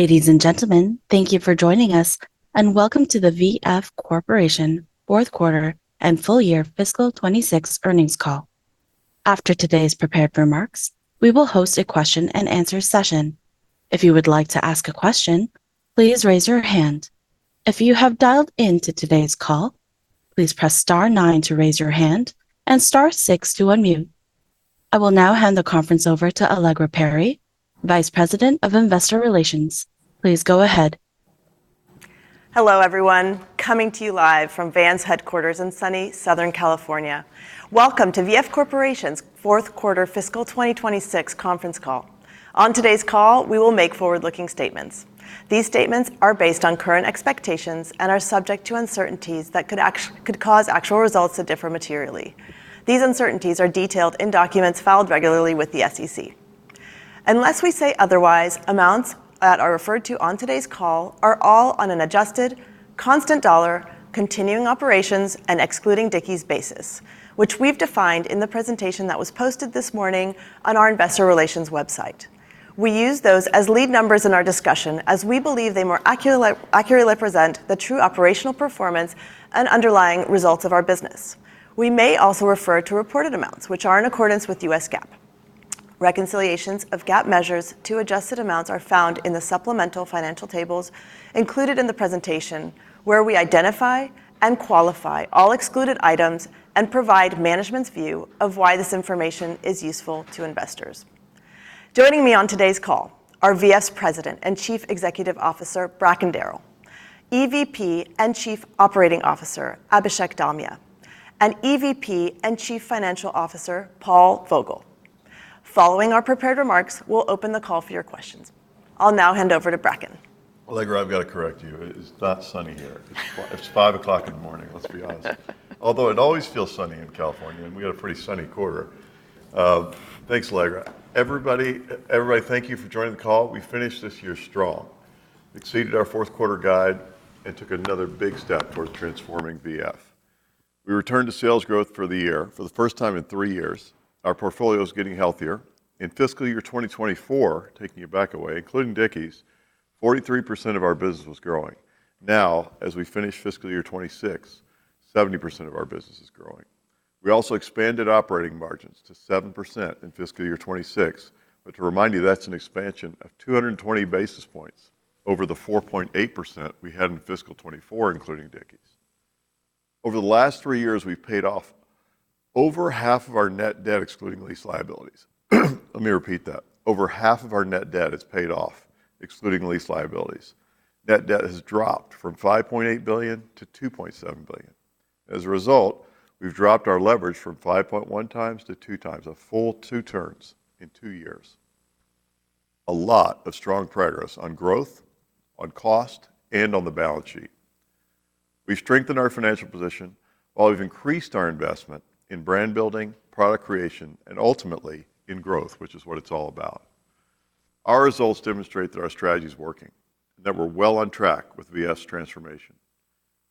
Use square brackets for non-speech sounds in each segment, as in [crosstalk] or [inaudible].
Ladies and gentlemen, thank you for joining us, and welcome to the VF Corporation fourth quarter and full-year fiscal 2026 earnings call. After today's prepared remarks, we will host a question-and-answer session. If you would like to ask a question, please raise your hand. If you have dialed in to today's call, please press star nine to raise your hand and star six to unmute. I will now hand the conference over to Allegra Perry, Vice President, Investor Relations. Please go ahead. Hello, everyone. Coming to you live from Vans headquarters in sunny Southern California. Welcome to VF Corporation's fourth quarter fiscal 2026 conference call. On today's call, we will make forward-looking statements. These statements are based on current expectations and are subject to uncertainties that could cause actual results to differ materially. These uncertainties are detailed in documents filed regularly with the SEC. Unless we say otherwise, amounts that are referred to on today's call are all on an adjusted, constant dollar, continuing operations, and excluding Dickies basis, which we've defined in the presentation that was posted this morning on our investor relations website. We use those as lead numbers in our discussion as we believe they more accurately present the true operational performance and underlying results of our business. We may also refer to reported amounts, which are in accordance with U.S. GAAP. Reconciliations of GAAP measures to adjusted amounts are found in the supplemental financial tables included in the presentation, where we identify and qualify all excluded items and provide management's view of why this information is useful to investors. Joining me on today's call are VF's President and Chief Executive Officer, Bracken Darrell, EVP and Chief Operating Officer, Abhishek Dalmia, and EVP and Chief Financial Officer, Paul Vogel. Following our prepared remarks, we'll open the call for your questions. I'll now hand over to Bracken. Allegra, I've got to correct you. It's not sunny here. It's 5:00 in the morning, let's be honest. Although it always feels sunny in California, and we had a pretty sunny quarter. Thanks, Allegra. Everybody, thank you for joining the call. We finished this year strong, exceeded our fourth quarter guide, and took another big step towards transforming VF. We returned to sales growth for the year for the first time in three years. Our portfolio is getting healthier. In fiscal year 2024, taking it back a way, including Dickies, 43% of our business was growing. Now, as we finish fiscal year 2026, 70% of our business is growing. We also expanded operating margins to 7% in fiscal year 2026. To remind you, that's an expansion of 220 basis points over the 4.8% we had in fiscal 2024, including Dickies. Over the last three years, we've paid off over half of our net debt, excluding lease liabilities. Let me repeat that. Over half of our net debt is paid off, excluding lease liabilities. Net debt has dropped from $5.8 billion to $2.7 billion. As a result, we've dropped our leverage from 5.1x to 2x, a full two turns in two years. A lot of strong progress on growth, on cost, and on the balance sheet. We've strengthened our financial position while we've increased our investment in brand building, product creation, and ultimately in growth, which is what it's all about. Our results demonstrate that our strategy is working and that we're well on track with VF's transformation.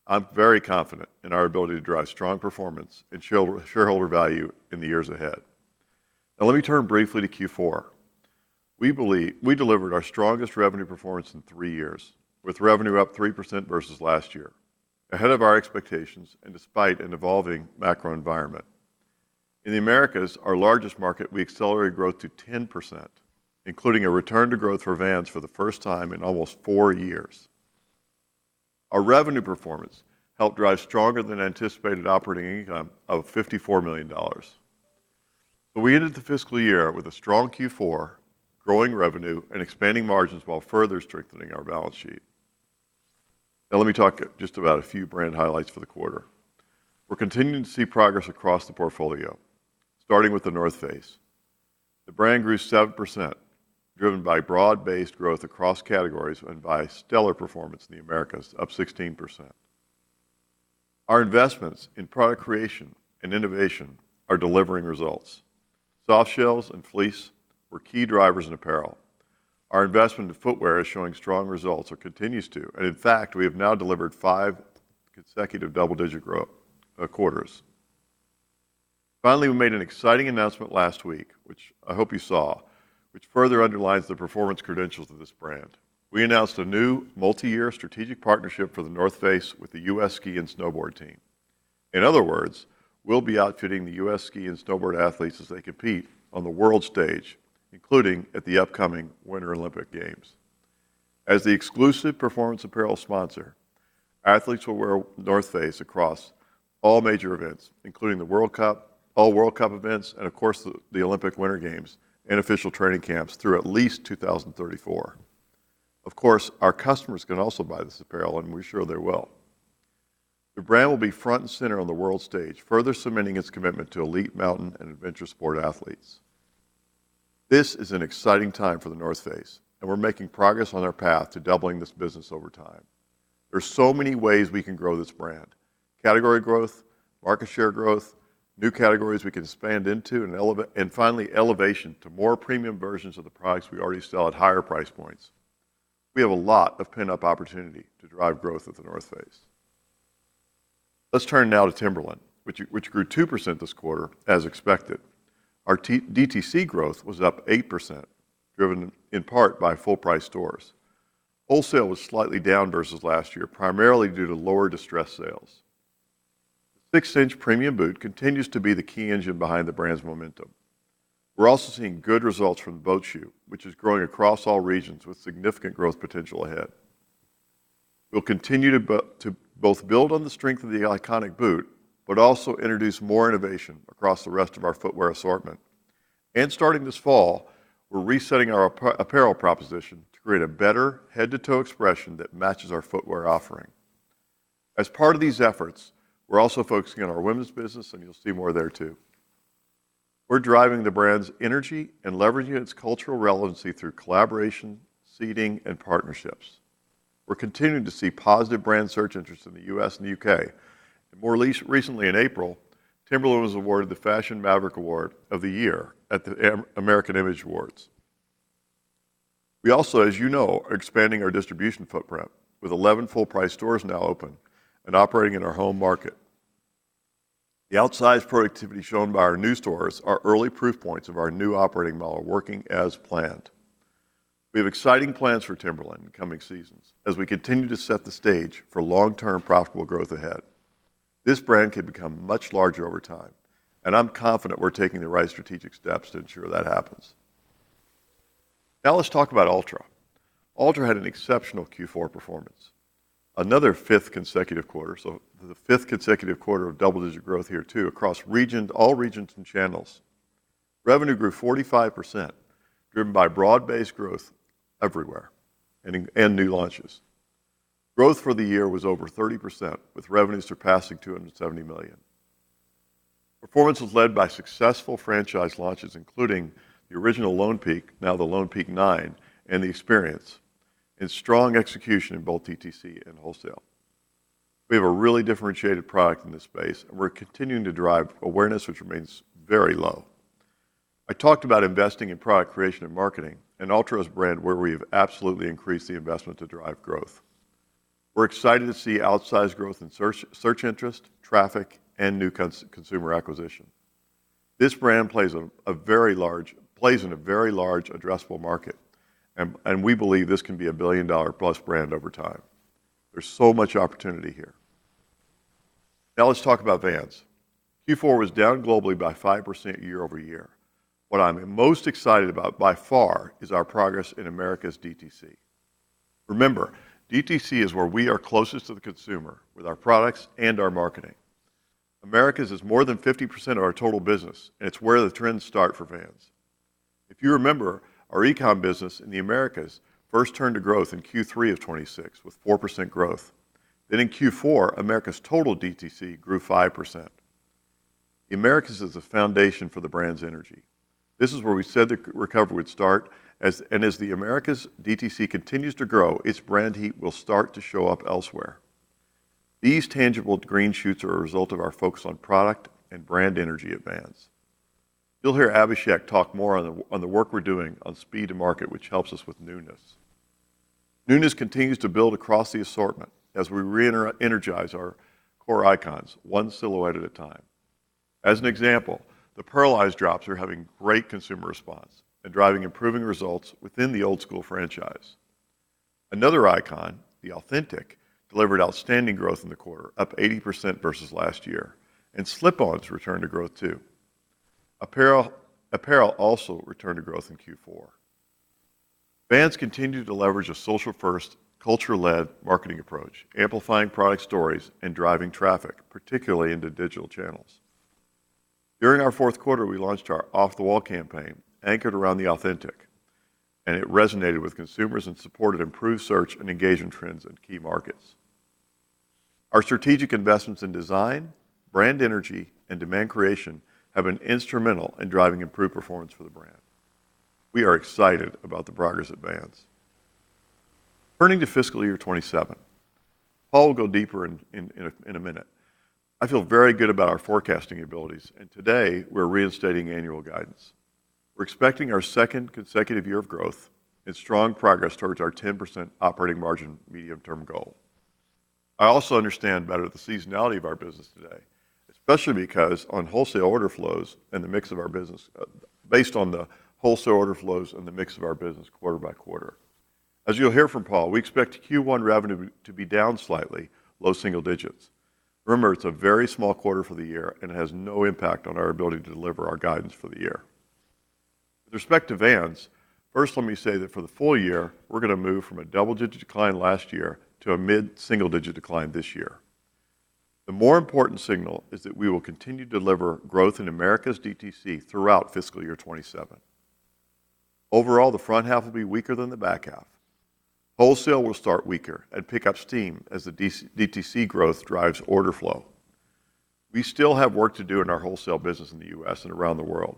I'm very confident in our ability to drive strong performance and shareholder value in the years ahead. Now, let me turn briefly to Q4. We delivered our strongest revenue performance in three years with revenue up 3% versus last year, ahead of our expectations and despite an evolving macro environment. In the Americas, our largest market, we accelerated growth to 10%, including a return to growth for Vans for the first time in almost four years. Our revenue performance helped drive stronger than anticipated operating income of $54 million. We ended the fiscal year with a strong Q4, growing revenue and expanding margins while further strengthening our balance sheet. Now, let me talk just about a few brand highlights for the quarter. We're continuing to see progress across the portfolio, starting with The North Face. The brand grew 7%, driven by broad-based growth across categories and by stellar performance in the Americas, up 16%. Our investments in product creation and innovation are delivering results. Softshells and fleece were key drivers in apparel. Our investment into footwear is showing strong results, or continues to, and in fact, we have now delivered five consecutive double-digit growth quarters. Finally, we made an exciting announcement last week, which I hope you saw, which further underlines the performance credentials of this brand. We announced a new multi-year strategic partnership for The North Face with the U.S. Ski & Snowboard Team. In other words, we'll be outfitting the U.S. Ski & Snowboard athletes as they compete on the world stage, including at the upcoming Winter Olympic Games. As the exclusive performance apparel sponsor, athletes will wear The North Face across all major events, including the World Cup, all World Cup events, and of course, the Winter Olympic Games and official training camps through at least 2034. Of course, our customers can also buy this apparel, and we're sure they will. The brand will be front and center on the world stage, further cementing its commitment to elite mountain and adventure sport athletes. This is an exciting time for The North Face, and we're making progress on our path to doubling this business over time. There's so many ways we can grow this brand. Category growth, market share growth, new categories we can expand into, and finally, elevation to more premium versions of the products we already sell at higher price points. We have a lot of pent-up opportunity to drive growth at The North Face. Let's turn now to Timberland, which grew 2% this quarter as expected. Our DTC growth was up 8%, driven in part by full price stores. Wholesale was slightly down versus last year, primarily due to lower distressed sales. The six-inch premium boot continues to be the key engine behind the brand's momentum. We're also seeing good results from the boat shoe, which is growing across all regions with significant growth potential ahead. We'll continue to both build on the strength of the iconic boot, but also introduce more innovation across the rest of our footwear assortment. Starting this fall, we're resetting our apparel proposition to create a better head-to-toe expression that matches our footwear offering. As part of these efforts, we're also focusing on our women's business, and you'll see more there, too. We're driving the brand's energy and leveraging its cultural relevancy through collaboration, seeding, and partnerships. We're continuing to see positive brand search interest in the U.S. and the U.K. More recently, in April, Timberland was awarded the Fashion Maverick Award of the Year at the American Image Awards. We also, as you know, are expanding our distribution footprint with 11 full-price stores now open and operating in our home market. The outsized productivity shown by our new stores are early proof points of our new operating model working as planned. We have exciting plans for Timberland in the coming seasons as we continue to set the stage for long-term profitable growth ahead. This brand could become much larger over time, and I'm confident we're taking the right strategic steps to ensure that happens. Let's talk about Altra. Altra had an exceptional Q4 performance. Another fifth consecutive quarter. The fifth consecutive quarter of double-digit growth here too, across all regions and channels. Revenue grew 45%, driven by broad-based growth everywhere and new launches. Growth for the year was over 30%, with revenues surpassing $270 million. Performance was led by successful franchise launches including the original Lone Peak, now the Lone Peak 9, and the Experience, and strong execution in both DTC and wholesale. We have a really differentiated product in this space, and we're continuing to drive awareness, which remains very low. I talked about investing in product creation and marketing, and Altra is a brand where we've absolutely increased the investment to drive growth. We're excited to see outsized growth in search interest, traffic, and new consumer acquisition. This brand plays in a very large addressable market, and we believe this can be a billion-dollar-plus brand over time. There's so much opportunity here. Now let's talk about Vans. Q4 was down globally by 5% year-over-year. What I'm most excited about by far is our progress in Americas DTC. DTC is where we are closest to the consumer with our products and our marketing. Americas is more than 50% of our total business, and it's where the trends start for Vans. If you remember, our e-com business in the Americas first turned to growth in Q3 of 2026 with 4% growth. In Q4, Americas total DTC grew 5%. The Americas is the foundation for the brand's energy. This is where we said the recovery would start, and as the Americas DTC continues to grow, its brand heat will start to show up elsewhere. These tangible green shoots are a result of our focus on product and brand energy at Vans. You'll hear Abhishek talk more on the work we're doing on speed to market, which helps us with newness. Newness continues to build across the assortment as we re-energize our core icons, one silhouette at a time. As an example, the Pearlized drops are having great consumer response and driving improving results within the Old Skool franchise. Another icon, the Authentic, delivered outstanding growth in the quarter, up 80% versus last year. Slip-Ons returned to growth, too. Apparel also returned to growth in Q4. Vans continued to leverage a social-first, culture-led marketing approach, amplifying product stories and driving traffic, particularly into digital channels. During our fourth quarter, we launched our Off The Wall campaign anchored around the Authentic, it resonated with consumers and supported improved search and engagement trends in key markets. Our strategic investments in design, brand energy, and demand creation have been instrumental in driving improved performance for the brand. We are excited about the progress at Vans. Turning to FY 2027. Paul will go deeper in a minute. I feel very good about our forecasting abilities, and today we're reinstating annual guidance. We're expecting our second consecutive year of growth and strong progress towards our 10% operating margin medium-term goal. I also understand better the seasonality of our business today, based on the wholesale order flows and the mix of our business quarter by quarter. As you'll hear from Paul, we expect Q1 revenue to be down slightly, low single digits. Remember, it's a very small quarter for the year and has no impact on our ability to deliver our guidance for the year. With respect to Vans, first let me say that for the full year, we're going to move from a double-digit decline last year to a mid-single digit decline this year. The more important signal is that we will continue to deliver growth in Americas DTC throughout fiscal year 2027. Overall, the front half will be weaker than the back half. Wholesale will start weaker and pick up steam as the DTC growth drives order flow. We still have work to do in our wholesale business in the U.S. and around the world.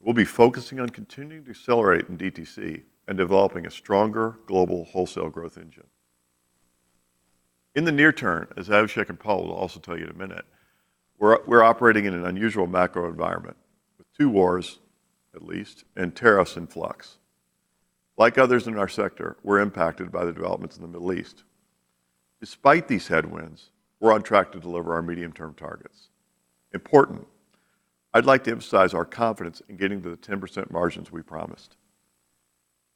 We'll be focusing on continuing to accelerate in DTC and developing a stronger global wholesale growth engine. In the near term, as Abhishek and Paul will also tell you in a minute, we're operating in an unusual macro environment with two wars at least and tariffs in flux. Like others in our sector, we're impacted by the developments in the Middle East. Despite these headwinds, we're on track to deliver our medium-term targets. Important, I'd like to emphasize our confidence in getting to the 10% margins we promised.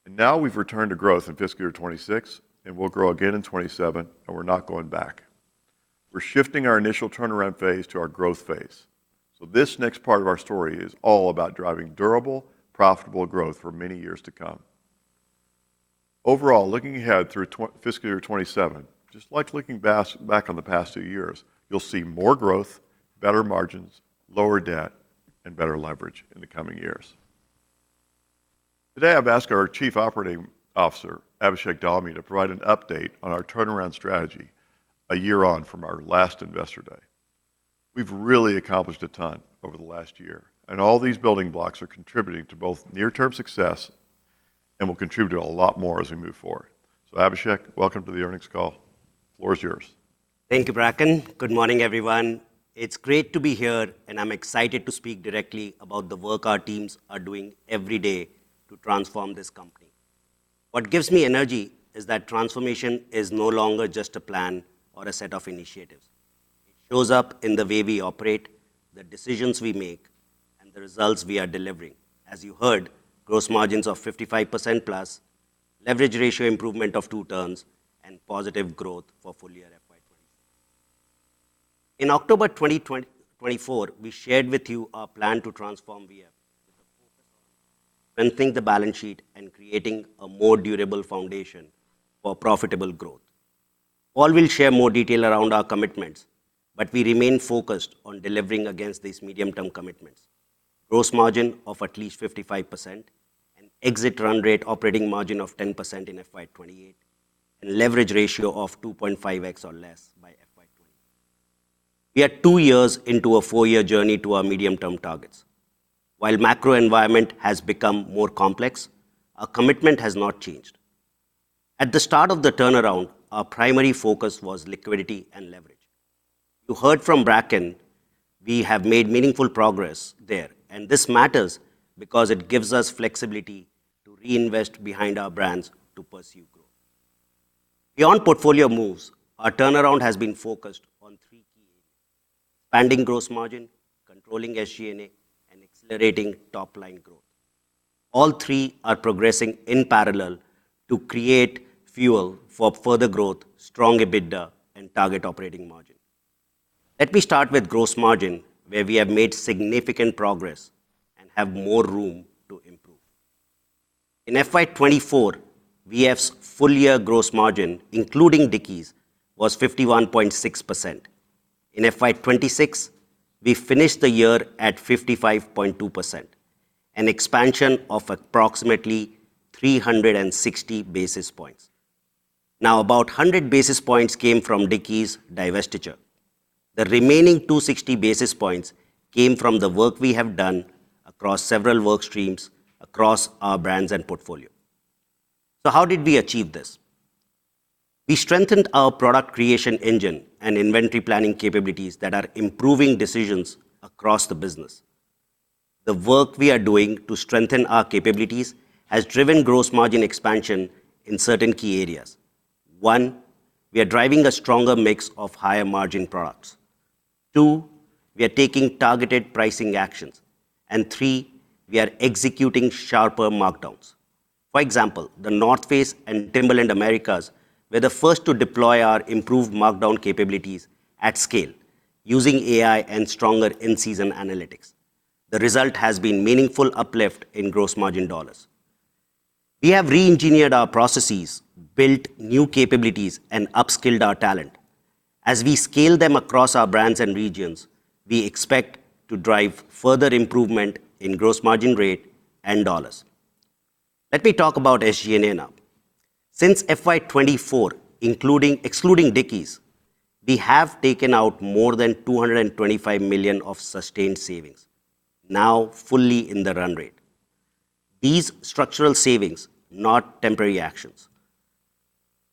Now we've returned to growth in fiscal year 2026, and we'll grow again in 2027, and we're not going back. We're shifting our initial turnaround phase to our growth phase. This next part of our story is all about driving durable, profitable growth for many years to come. Overall, looking ahead through fiscal year 2027, just like looking back on the past two years, you'll see more growth, better margins, lower debt, and better leverage in the coming years. Today, I've asked our Chief Operating Officer, Abhishek Dalmia, to provide an update on our turnaround strategy a year on from our last Investor Day. We've really accomplished a ton over the last year, and all these building blocks are contributing to both near-term success and will contribute a lot more as we move forward. Abhishek, welcome to the earnings call. The floor is yours. Thank you, Bracken. Good morning, everyone. It's great to be here, and I'm excited to speak directly about the work our teams are doing every day to transform this company. What gives me energy is that transformation is no longer just a plan or a set of initiatives. It shows up in the way we operate, the decisions we make, and the results we are delivering. As you heard, gross margins of 55%+, leverage ratio improvement of two turns, and positive growth for full-year FY 2025. In October 2024, we shared with you our plan to transform VF with a focus on strengthening the balance sheet and creating a more durable foundation for profitable growth. Paul will share more detail around our commitments, but we remain focused on delivering against these medium-term commitments. Gross margin of at least 55% and exit run rate operating margin of 10% in FY 2028, and leverage ratio of 2.5x or less by FY 2028. We are two years into a four-year journey to our medium-term targets. While macro environment has become more complex, our commitment has not changed. At the start of the turnaround, our primary focus was liquidity and leverage. You heard from Bracken, we have made meaningful progress there, and this matters because it gives us flexibility to reinvest behind our brands to pursue growth. Beyond portfolio moves, our turnaround has been focused on three key areas: expanding gross margin, controlling SG&A, and accelerating top-line growth. All three are progressing in parallel to create fuel for further growth, strong EBITDA, and target operating margin. Let me start with gross margin, where we have made significant progress and have more room to improve. In FY 2024, VF's full-year gross margin, including Dickies, was 51.6%. In FY 2026, we finished the year at 55.2%, an expansion of approximately 360 basis points. About 100 basis points came from Dickies' divestiture. The remaining 260 basis points came from the work we have done across several work streams across our brands and portfolio. How did we achieve this? We strengthened our product creation engine and inventory planning capabilities that are improving decisions across the business. The work we are doing to strengthen our capabilities has driven gross margin expansion in certain key areas. One, we are driving a stronger mix of higher-margin products. Two, we are taking targeted pricing actions. Three, we are executing sharper markdowns. For example, The North Face and Timberland Americas were the first to deploy our improved markdown capabilities at scale using AI and stronger in-season analytics. The result has been meaningful uplift in gross margin dollars. We have reengineered our processes, built new capabilities, and upskilled our talent. As we scale them across our brands and regions, we expect to drive further improvement in gross margin rate and dollars. Let me talk about SG&A now. Since FY 2024, excluding Dickies, we have taken out more than $225 million of sustained savings, now fully in the run rate. These structural savings, not temporary actions.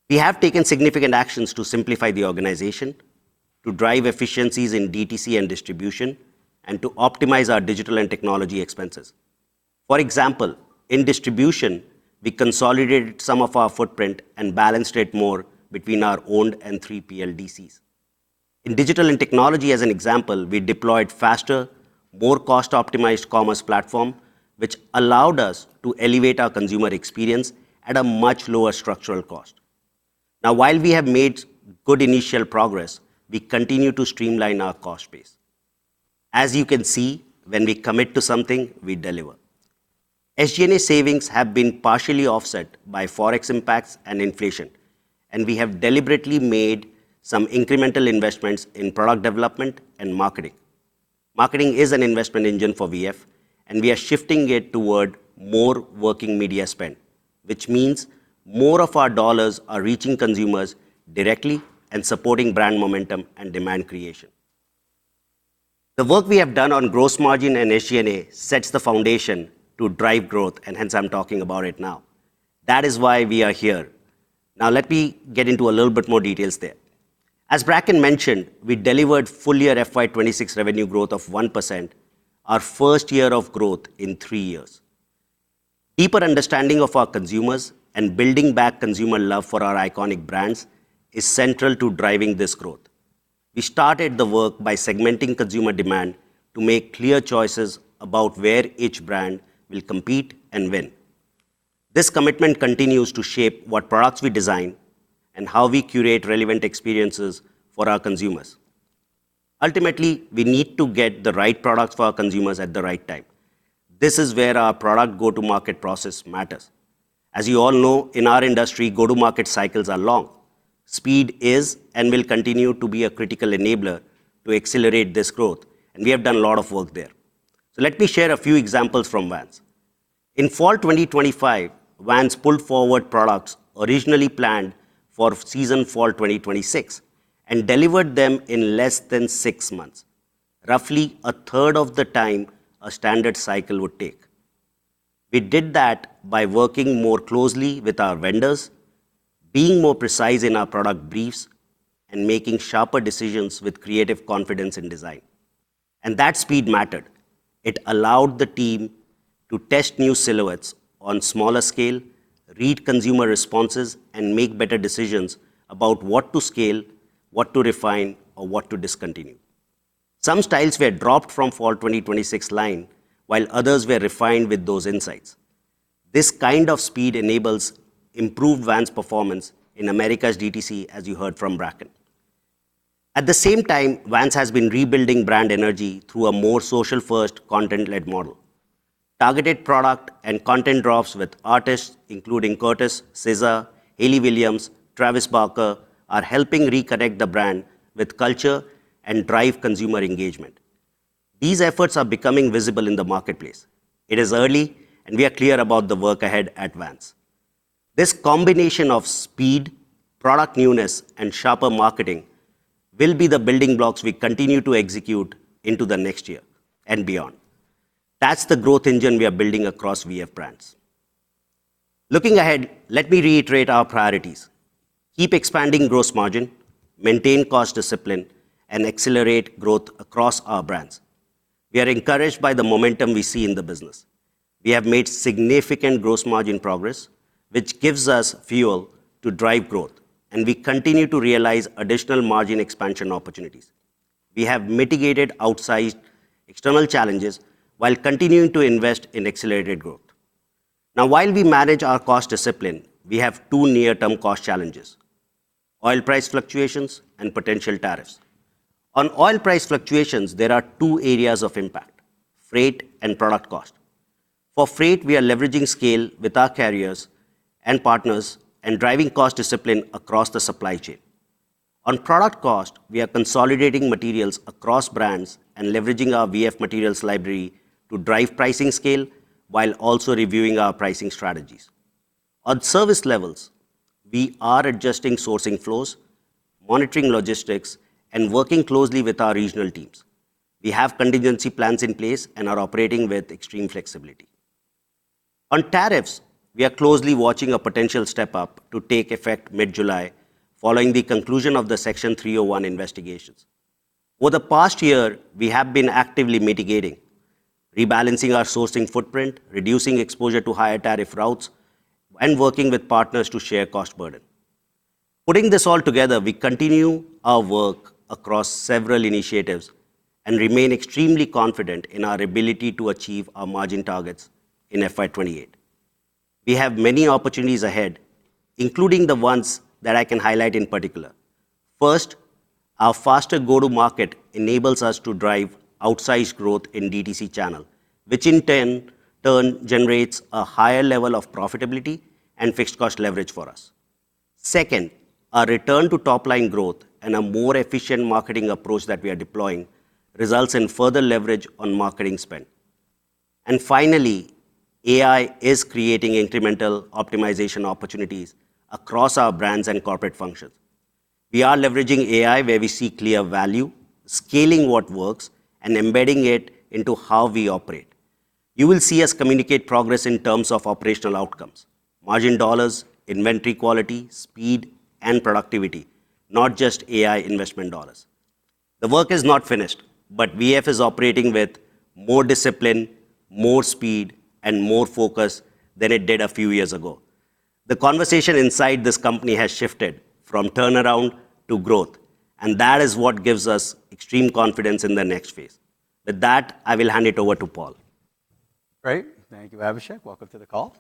We have taken significant actions to simplify the organization, to drive efficiencies in DTC and distribution, and to optimize our digital and technology expenses. For example, in distribution, we consolidated some of our footprint and balanced it more between our owned and 3PL DCs. In digital and technology as an example, we deployed faster, more cost-optimized commerce platform, which allowed us to elevate our consumer experience at a much lower structural cost. Now, while we have made good initial progress, we continue to streamline our cost base. As you can see, when we commit to something, we deliver. SG&A savings have been partially offset by Forex impacts and inflation, and we have deliberately made some incremental investments in product development and marketing. Marketing is an investment engine for VF, and we are shifting it toward more working media spend, which means more of our dollars are reaching consumers directly and supporting brand momentum and demand creation. The work we have done on gross margin and SG&A sets the foundation to drive growth, and hence I'm talking about it now. That is why we are here. Now let me get into a little bit more details there. As Bracken mentioned, we delivered full-year FY 2026 revenue growth of 1%, our first year of growth in three years. Deeper understanding of our consumers and building back consumer love for our iconic brands is central to driving this growth. We started the work by segmenting consumer demand to make clear choices about where each brand will compete and win. This commitment continues to shape what products we design and how we curate relevant experiences for our consumers. Ultimately, we need to get the right products for our consumers at the right time. This is where our product go-to-market process matters. As you all know, in our industry, go-to-market cycles are long. Speed is and will continue to be a critical enabler to accelerate this growth, and we have done a lot of work there. Let me share a few examples from Vans. In fall 2025, Vans pulled forward products originally planned for season fall 2026 and delivered them in less than six months, roughly 1/3 of the time a standard cycle would take. We did that by working more closely with our vendors, being more precise in our product briefs, and making sharper decisions with creative confidence in design. That speed mattered. It allowed the team to test new silhouettes on smaller scale, read consumer responses, and make better decisions about what to scale, what to refine, or what to discontinue. Some styles were dropped from fall 2026 line, while others were refined with those insights. This kind of speed enables improved Vans performance in Americas DTC, as you heard from Bracken. At the same time, Vans has been rebuilding brand energy through a more social-first content-led model. Targeted product and content drops with artists including Curtis, SZA, Hayley Williams, Travis Barker, are helping reconnect the brand with culture and drive consumer engagement. These efforts are becoming visible in the marketplace. It is early, and we are clear about the work ahead at Vans. This combination of speed, product newness, and sharper marketing will be the building blocks we continue to execute into the next year and beyond. That's the growth engine we are building across VF brands. Looking ahead, let me reiterate our priorities. Keep expanding gross margin, maintain cost discipline, and accelerate growth across our brands. We are encouraged by the momentum we see in the business. We have made significant gross margin progress, which gives us fuel to drive growth, and we continue to realize additional margin expansion opportunities. We have mitigated outsized external challenges while continuing to invest in accelerated growth. While we manage our cost discipline, we have two near-term cost challenges: oil price fluctuations and potential tariffs. On oil price fluctuations, there are two areas of impact: freight and product cost. Freight, we are leveraging scale with our carriers and partners and driving cost discipline across the supply chain. On product cost, we are consolidating materials across brands and leveraging our VF materials library to drive pricing scale while also reviewing our pricing strategies. On service levels, we are adjusting sourcing flows, monitoring logistics, and working closely with our regional teams. We have contingency plans in place and are operating with extreme flexibility. On tariffs, we are closely watching a potential step-up to take effect mid-July following the conclusion of the Section 301 investigations. Over the past year, we have been actively mitigating, rebalancing our sourcing footprint, reducing exposure to higher tariff routes, and working with partners to share cost burden. Putting this all together, we continue our work across several initiatives and remain extremely confident in our ability to achieve our margin targets in FY 2028. We have many opportunities ahead, including the ones that I can highlight in particular. First, our faster go-to-market enables us to drive outsized growth in DTC channel, which in turn generates a higher level of profitability and fixed cost leverage for us. Second, our return to top-line growth and a more efficient marketing approach that we are deploying results in further leverage on marketing spend. Finally, AI is creating incremental optimization opportunities across our brands and corporate functions. We are leveraging AI where we see clear value, scaling what works, and embedding it into how we operate. You will see us communicate progress in terms of operational outcomes, margin dollars, inventory quality, speed, and productivity, not just AI investment dollars. The work is not finished, but VF is operating with more discipline, more speed, and more focus than it did a few years ago. The conversation inside this company has shifted from turnaround to growth, and that is what gives us extreme confidence in the next phase. With that, I will hand it over to Paul. Great. Thank you, Abhishek. Welcome to the call.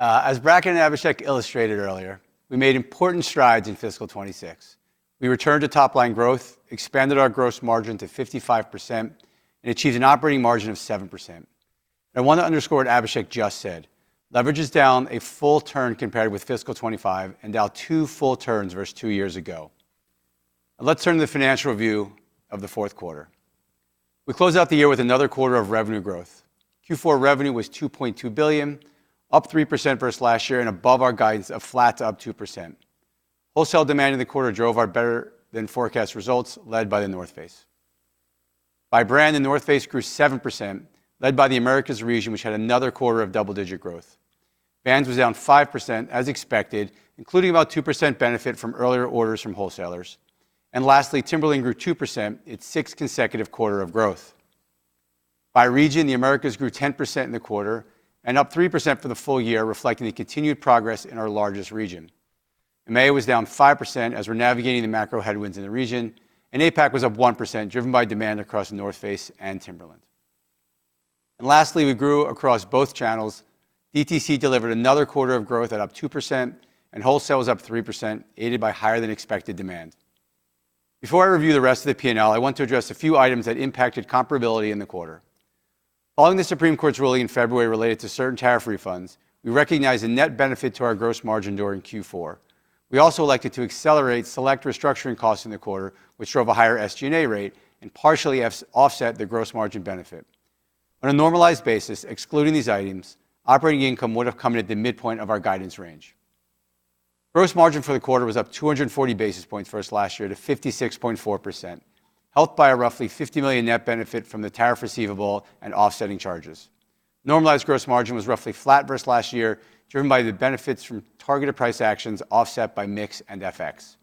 As Bracken and Abhishek illustrated earlier, we made important strides in fiscal 2026. We returned to top-line growth, expanded our gross margin to 55%, and achieved an operating margin of 7%. I want to underscore what Abhishek just said. Leverage is down a full turn compared with fiscal 2025 and down two full turns versus two years ago. Let's turn to the financial review of the fourth quarter. We closed out the year with another quarter of revenue growth. Q4 revenue was $2.2 billion, up 3% versus last year and above our guidance of flat to up 2%. Wholesale demand in the quarter drove our better-than-forecast results, led by The North Face. By brand, The North Face grew 7%, led by the Americas region, which had another quarter of double-digit growth. Vans was down 5%, as expected, including about 2% benefit from earlier orders from wholesalers. Lastly, Timberland grew 2%, its sixth consecutive quarter of growth. By region, the Americas grew 10% in the quarter and up 3% for the full year, reflecting the continued progress in our largest region. EMEA was down 5% as we're navigating the macro headwinds in the region, and APAC was up 1%, driven by demand across The North Face and Timberland. Lastly, we grew across both channels. DTC delivered another quarter of growth at up 2%, and wholesale was up 3%, aided by higher than expected demand. Before I review the rest of the P&L, I want to address a few items that impacted comparability in the quarter. Following the Supreme Court's ruling in February related to certain tariff refunds, we recognized a net benefit to our gross margin during Q4. We also elected to accelerate select restructuring costs in the quarter, which drove a higher SG&A rate and partially offset the gross margin benefit. On a normalized basis, excluding these items, operating income would have come in at the midpoint of our guidance range. Gross margin for the quarter was up 240 basis points versus last year to 56.4%, helped by a roughly $50 million net benefit from the tariff receivable and offsetting charges. Normalized gross margin was roughly flat versus last year, driven by the benefits from targeted price actions offset by mix and FX.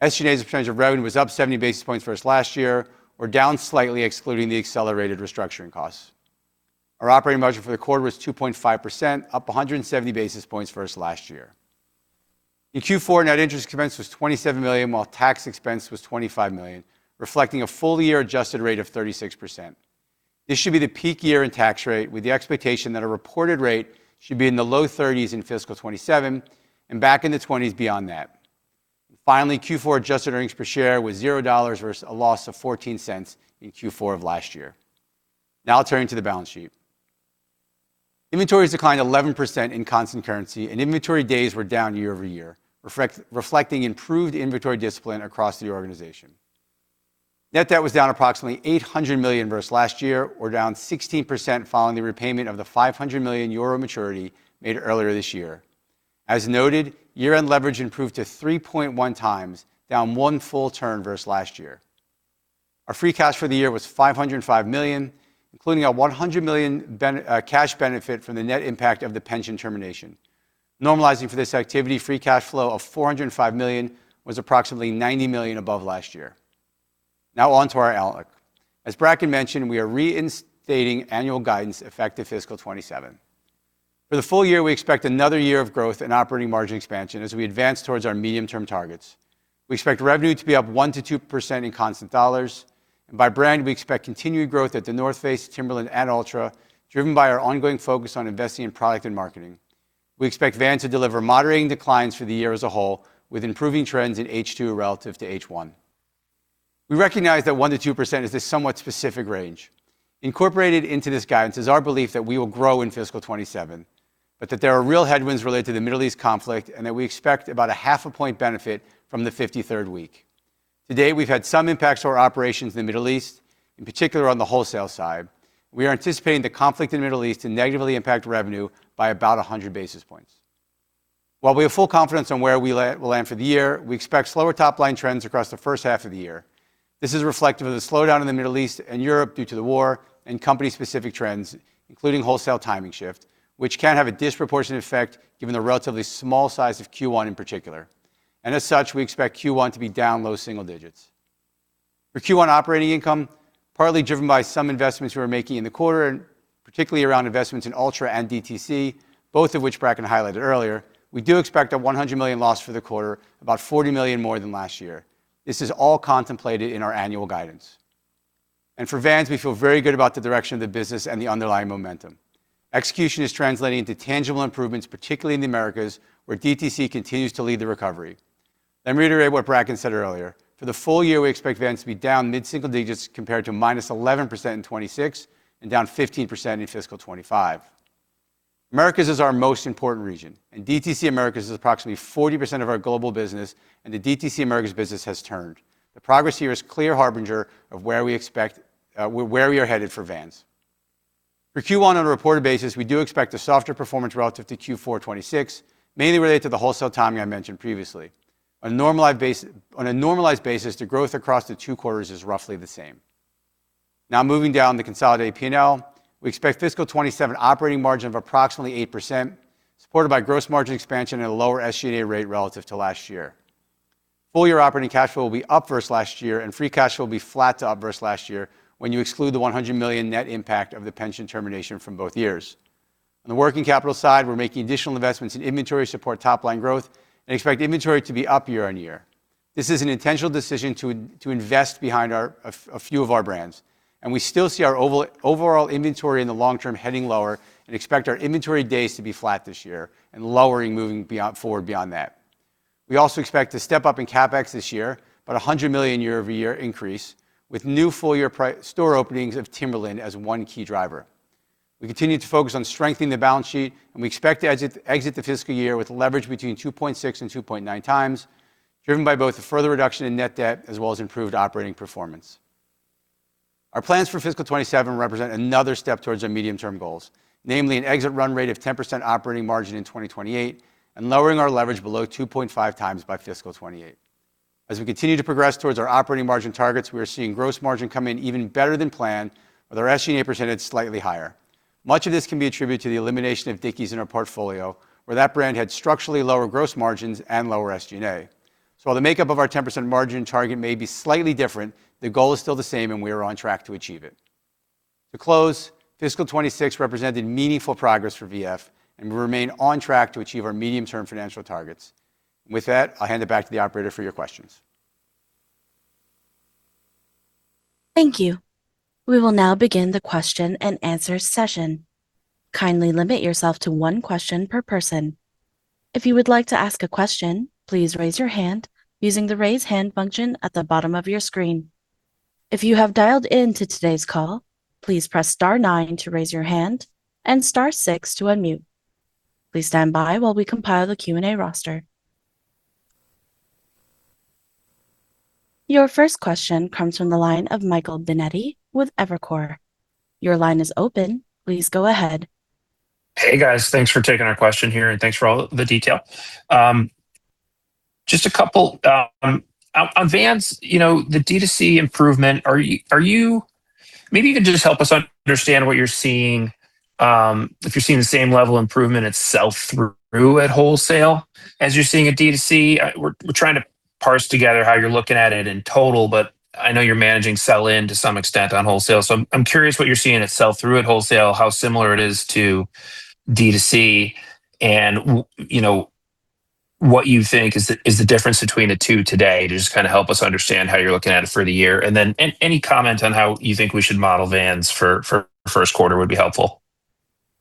SG&A as a percentage of revenue was up 70 basis points versus last year or down slightly excluding the accelerated restructuring costs. Our operating margin for the quarter was 2.5%, up 170 basis points versus last year. In Q4, net interest expense was $27 million, while tax expense was $25 million, reflecting a full-year adjusted rate of 36%. This should be the peak year in tax rate, with the expectation that a reported rate should be in the low 30s in fiscal 2027 and back in the 20s beyond that. Q4 adjusted earnings per share was $0 versus a loss of $0.14 in Q4 of last year. I'll turn to the balance sheet. Inventories declined 11% in constant currency, and inventory days were down year-over-year, reflecting improved inventory discipline across the organization. Net debt was down approximately $800 million versus last year or down 16% following the repayment of the €500 million maturity made earlier this year. As noted, year-end leverage improved to 3.1x, down one full turn versus last year. Our free cash for the year was $505 million, including a $100 million cash benefit from the net impact of the pension termination. Normalizing for this activity, free cash flow of $405 million was approximately $90 million above last year. On to our outlook. As Bracken mentioned, we are reinstating annual guidance effective fiscal 2027. For the full year, we expect another year of growth and operating margin expansion as we advance towards our medium-term targets. We expect revenue to be up 1%-2% in constant dollars. By brand, we expect continued growth at The North Face, Timberland, and Altra, driven by our ongoing focus on investing in product and marketing. We expect Vans to deliver moderating declines for the year as a whole, with improving trends in H2 relative to H1. We recognize that 1%-2% is a somewhat specific range. Incorporated into this guidance is our belief that we will grow in fiscal 2027, but that there are real headwinds related to the Middle East conflict and that we expect about 0.5 point benefit from the 53rd week. To date, we've had some impacts to our operations in the Middle East, in particular on the wholesale side. We are anticipating the conflict in the Middle East to negatively impact revenue by about 100 basis points. While we have full confidence on where we will land for the year, we expect slower top-line trends across the first half of the year. This is reflective of the slowdown in the Middle East and Europe due to the war and company-specific trends, including wholesale timing shift, which can have a disproportionate effect given the relatively small size of Q1 in particular, as such, we expect Q1 to be down low single digits. For Q1 operating income, partly driven by some investments we are making in the quarter and particularly around investments in Altra and DTC, both of which Bracken highlighted earlier, we do expect a $100 million loss for the quarter, about $40 million more than last year. This is all contemplated in our annual guidance. For Vans, we feel very good about the direction of the business and the underlying momentum. Execution is translating into tangible improvements, particularly in the Americas, where DTC continues to lead the recovery. Let me reiterate what Bracken said earlier. For the full year, we expect Vans to be down mid-single digits compared to -11% in 2026 and down 15% in fiscal 2025. Americas is our most important region, and DTC Americas is approximately 40% of our global business, and the DTC Americas business has turned. The progress here is a clear harbinger of where we are headed for Vans. For Q1 on a reported basis, we do expect a softer performance relative to Q4 2026, mainly related to the wholesale timing I mentioned previously. On a normalized basis, the growth across the two quarters is roughly the same. Moving down the consolidated P&L, we expect fiscal 2027 operating margin of approximately 8%, supported by gross margin expansion at a lower SG&A rate relative to last year. Full-year operating cash flow will be up versus last year, and free cash flow will be flat to up versus last year when you exclude the $100 million net impact of the pension termination from both years. On the working capital side, we're making additional investments in inventory to support top-line growth and expect inventory to be up year-on-year. This is an intentional decision to invest behind a few of our brands, and we still see our overall inventory in the long term heading lower and expect our inventory days to be flat this year and lowering moving forward beyond that. We also expect a step-up in CapEx this year, about $100 million year-over-year increase, with new full-year store openings of Timberland as one key driver. We continue to focus on strengthening the balance sheet, and we expect to exit the fiscal year with leverage between 2.6x and 2.9x, driven by both the further reduction in net debt as well as improved operating performance. Our plans for fiscal 2027 represent another step towards our medium-term goals, namely an exit run rate of 10% operating margin in 2028 and lowering our leverage below 2.5x by fiscal 2028. As we continue to progress towards our operating margin targets, we are seeing gross margin come in even better than planned, with our SG&A percentage slightly higher. Much of this can be attributed to the elimination of Dickies in our portfolio, where that brand had structurally lower gross margins and lower SG&A. While the makeup of our 10% margin target may be slightly different, the goal is still the same and we are on track to achieve it. To close, fiscal 2026 represented meaningful progress for VF, we remain on track to achieve our medium-term financial targets. With that, I'll hand it back to the operator for your questions. Thank you. We will now begin the question-and-answer session. Kindly limit yourself to one question per person. If you would like to ask a question, please raise your hand using the raise hand function at the bottom of your screen. If you have dialed in to today's call, please press star nine to raise your hand and star six to unmute. Please stand by while we compile the Q&A roster. Your first question comes from the line of Michael Binetti with Evercore. Your line is open. Please go ahead. Hey, guys. Thanks for taking our question here, and thanks for all the detail. Just a couple. On Vans, the DTC improvement, maybe you can just help us understand what you're seeing, if you're seeing the same level of improvement at sell-through at wholesale as you're seeing at DTC. We're trying to parse together how you're looking at it in total, but I know you're managing sell-in to some extent on wholesale. I'm curious what you're seeing at sell-through at wholesale, how similar it is to DTC, and what you think is the difference between the two today, to just help us understand how you're looking at it for the year. Any comment on how you think we should model Vans for first quarter would be helpful.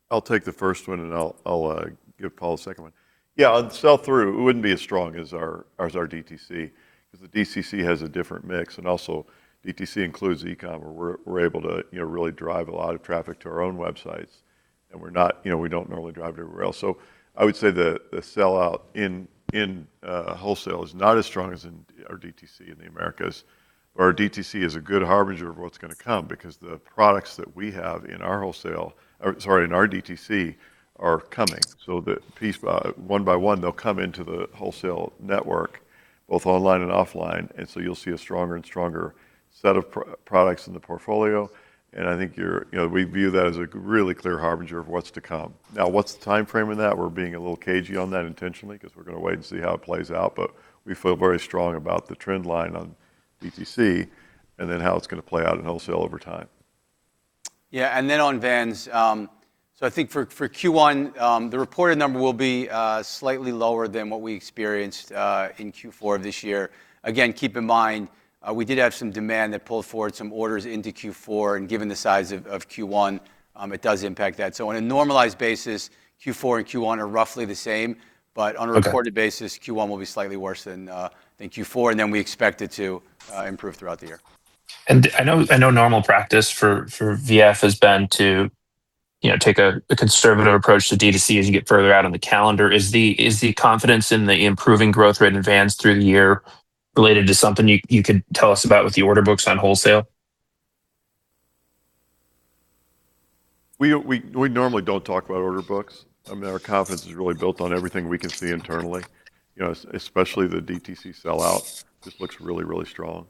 I'll take the first one, and I'll give Paul the second one. Yeah, on sell-through, it wouldn't be as strong as our DTC, because the DTC has a different mix, and also DTC includes e-commerce, where we're able to really drive a lot of traffic to our own websites. We don't normally drive it everywhere else. I would say the sell-out in wholesale is not as strong as in our DTC in the Americas. Our DTC is a good harbinger of what's going to come, because the products that we have in our DTC, are coming. One by one, they'll come into the wholesale network, both online and offline. You'll see a stronger and stronger set of products in the portfolio. I think we view that as a really clear harbinger of what's to come. What's the timeframe on that? We're being a little cagey on that intentionally, because we're going to wait and see how it plays out. We feel very strong about the trend line on DTC, and then how it's going to play out in wholesale over time. On Vans. I think for Q1, the reported number will be slightly lower than what we experienced in Q4 of this year. Again, keep in mind, we did have some demand that pulled forward some orders into Q4. Given the size of Q1, it does impact that. On a normalized basis, Q4 and Q1 are roughly the same. Okay. On a reported basis, Q1 will be slightly worse than Q4, and then we expect it to improve throughout the year. I know normal practice for VF has been to take a conservative approach to DTC as you get further out on the calendar. Is the confidence in the improving growth rate in Vans through the year related to something you could tell us about with the order books on wholesale? We normally don't talk about order books. Our confidence is really built on everything we can see internally, especially the DTC sell-out. Just looks really, really strong.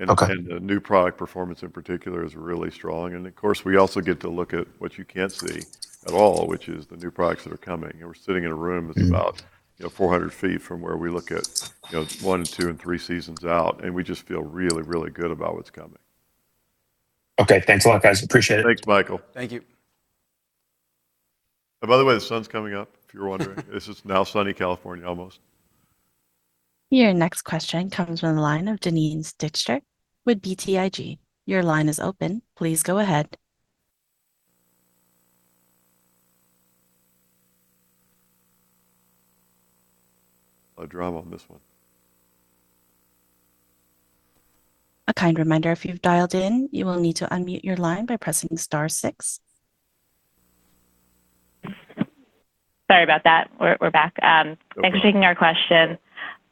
Okay. The new product performance, in particular, is really strong. Of course, we also get to look at what you can't see at all, which is the new products that are coming. We're sitting in a room that's about 400 ft from where we look at one and two and three seasons out. We just feel really good about what's coming. Okay. Thanks a lot, guys. Appreciate it. Thanks, Michael. Thank you. By the way, the sun's coming up, if you were wondering. This is now sunny California, almost. Your next question comes from the line of Janine Stichter with BTIG. Your line is open. Please go ahead. Oh, drama on this one. A kind reminder, if you've dialed in, you will need to unmute your line by pressing star six. Sorry about that. We're back. Okay. Thanks for taking our question.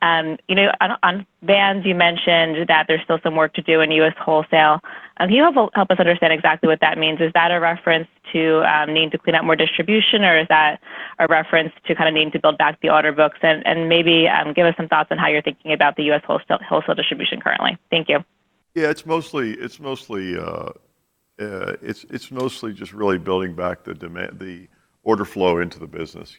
On Vans, you mentioned that there's still some work to do in U.S. wholesale. Can you help us understand exactly what that means? Is that a reference to need to clean up more distribution, or is that a reference to need to build back the order books? Maybe give us some thoughts on how you're thinking about the U.S. wholesale distribution currently. Thank you. It's mostly just really building back the order flow into the business.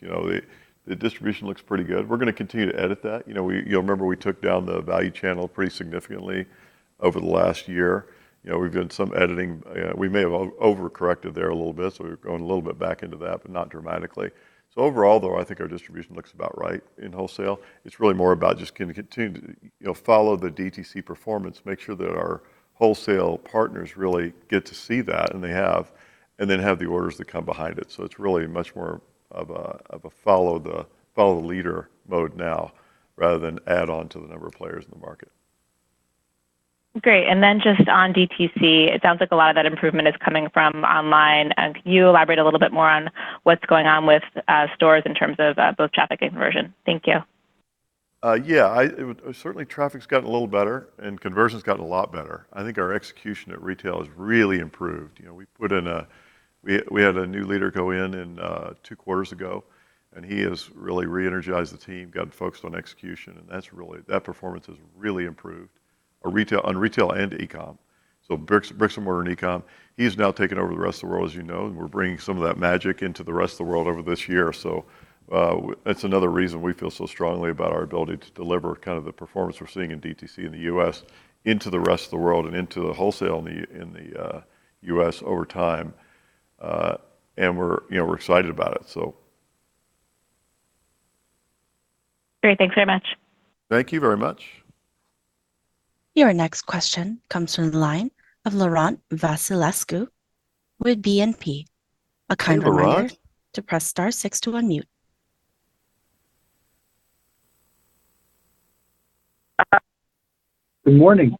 The distribution looks pretty good. We're going to continue to edit that. You'll remember we took down the value channel pretty significantly over the last year. We've done some editing. We may have over-corrected there a little bit, so we're going a little bit back into that, but not dramatically. Overall, though, I think our distribution looks about right in wholesale. It's really more about just continuing to follow the DTC performance, make sure that our wholesale partners really get to see that, and they have, and then have the orders that come behind it. It's really much more of a follow the leader mode now, rather than add on to the number of players in the market. Great. Just on DTC, it sounds like a lot of that improvement is coming from online. Can you elaborate a little bit more on what's going on with stores in terms of both traffic and conversion? Thank you. Yeah. Certainly, traffic's gotten a little better, and conversion's gotten a lot better. I think our execution at retail has really improved. We had a new leader go in two quarters ago, and he has really re-energized the team, gotten focused on execution, and that performance has really improved on retail and e-commerce. Bricks and mortar and e-commerce, he's now taken over the rest of the world, as you know, and we're bringing some of that magic into the rest of the world over this year. That's another reason we feel so strongly about our ability to deliver kind of the performance we're seeing in DTC in the U.S. into the rest of the world and into the wholesale in the U.S. over time. We're excited about it. Great. Thanks very much. Thank you very much. Your next question comes from the line of Laurent Vasilescu with BNP. Hey, Laurent. A kind reminder to press star six to unmute. Good morning.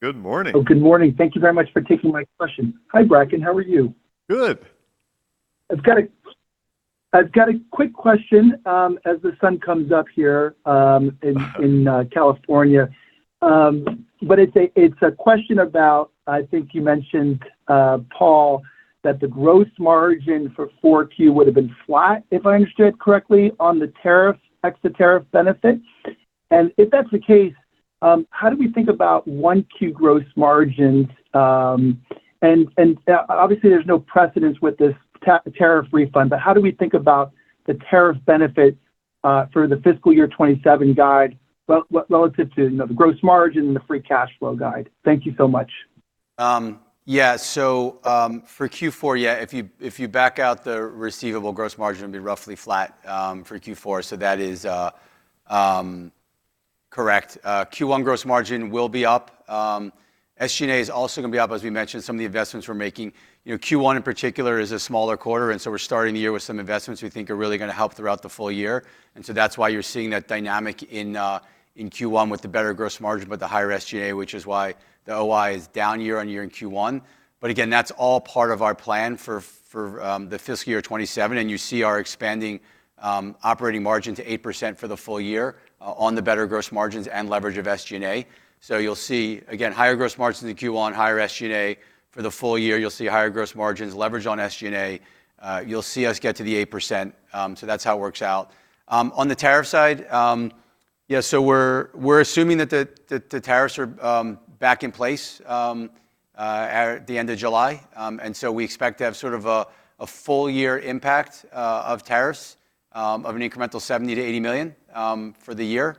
Good morning. Good morning. Thank you very much for taking my question. Hi, Bracken. How are you? Good. I've got a quick question as the sun comes up here in California. It's a question about, I think you mentioned, Paul, that the gross margin for Q4 would've been flat, if I understood correctly, on the tariff, ex-tariff benefit. If that's the case, how do we think about Q1 gross margin? Obviously, there's no precedence with this tariff refund, but how do we think about the tariff benefit for the fiscal year 2027 guide relative to the gross margin and the free cash flow guide? Thank you so much. For Q4, yeah, if you back out the receivable gross margin, it'll be roughly flat for Q4. Q1 gross margin will be up. SG&A is also going to be up, as we mentioned, some of the investments we're making. Q1 in particular is a smaller quarter. We're starting the year with some investments we think are really going to help throughout the full year. That's why you're seeing that dynamic in Q1 with the better gross margin, but the higher SG&A, which is why the OI is down year-on-year in Q1. That's all part of our plan for the fiscal year 2027. You see our expanding operating margin to 8% for the full year on the better gross margins and leverage of SG&A. You'll see, again, higher gross margins in Q1, higher SG&A for the full year. You'll see higher gross margins leverage on SG&A. You'll see us get to the 8%. That's how it works out. On the tariff side, we're assuming that the tariffs are back in place at the end of July. We expect to have sort of a full year impact of tariffs, of an incremental $70 million-$80 million for the year.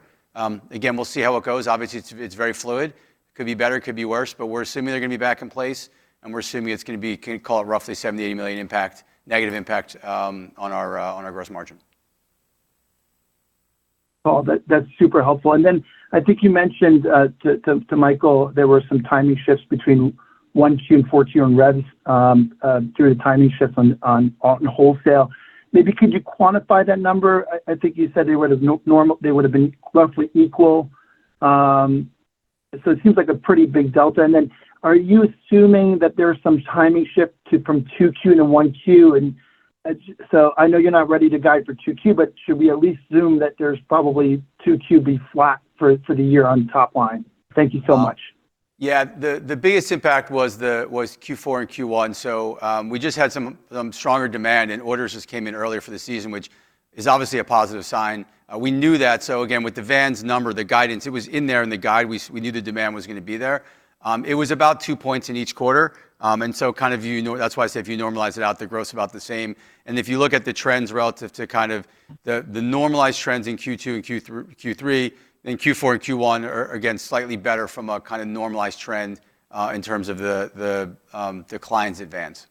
Again, we'll see how it goes. Obviously, it's very fluid. Could be better, could be worse, but we're assuming they're going to be back in place, and we're assuming it's going to be, call it roughly $70 million-$80 million impact, negative impact, on our gross margin. Paul, that's super helpful. I think you mentioned to Michael there were some timing shifts between 1Q and 4Q on revs due to the timing shifts on wholesale. Maybe could you quantify that number? I think you said they would've been roughly equal. It seems like a pretty big delta. Are you assuming that there's some timing shift from 2Q to 1Q? I know you're not ready to guide for 2Q, but should we at least assume that there's probably 2Q be flat for the year on top line? Thank you so much. Yeah, the biggest impact was Q4 and Q1. We just had some stronger demand and orders just came in earlier for the season, which is obviously a positive sign. We knew that, so again, with the Vans number, the guidance, it was in there in the guide. We knew the demand was going to be there. It was about two points in each quarter. That's why I say if you normalize it out, the growth about the same. If you look at the trends relative to kind of the normalized trends in Q2 and Q3 and Q4 and Q1 are, again, slightly better from a kind of normalized trend, in terms of the declines Vans.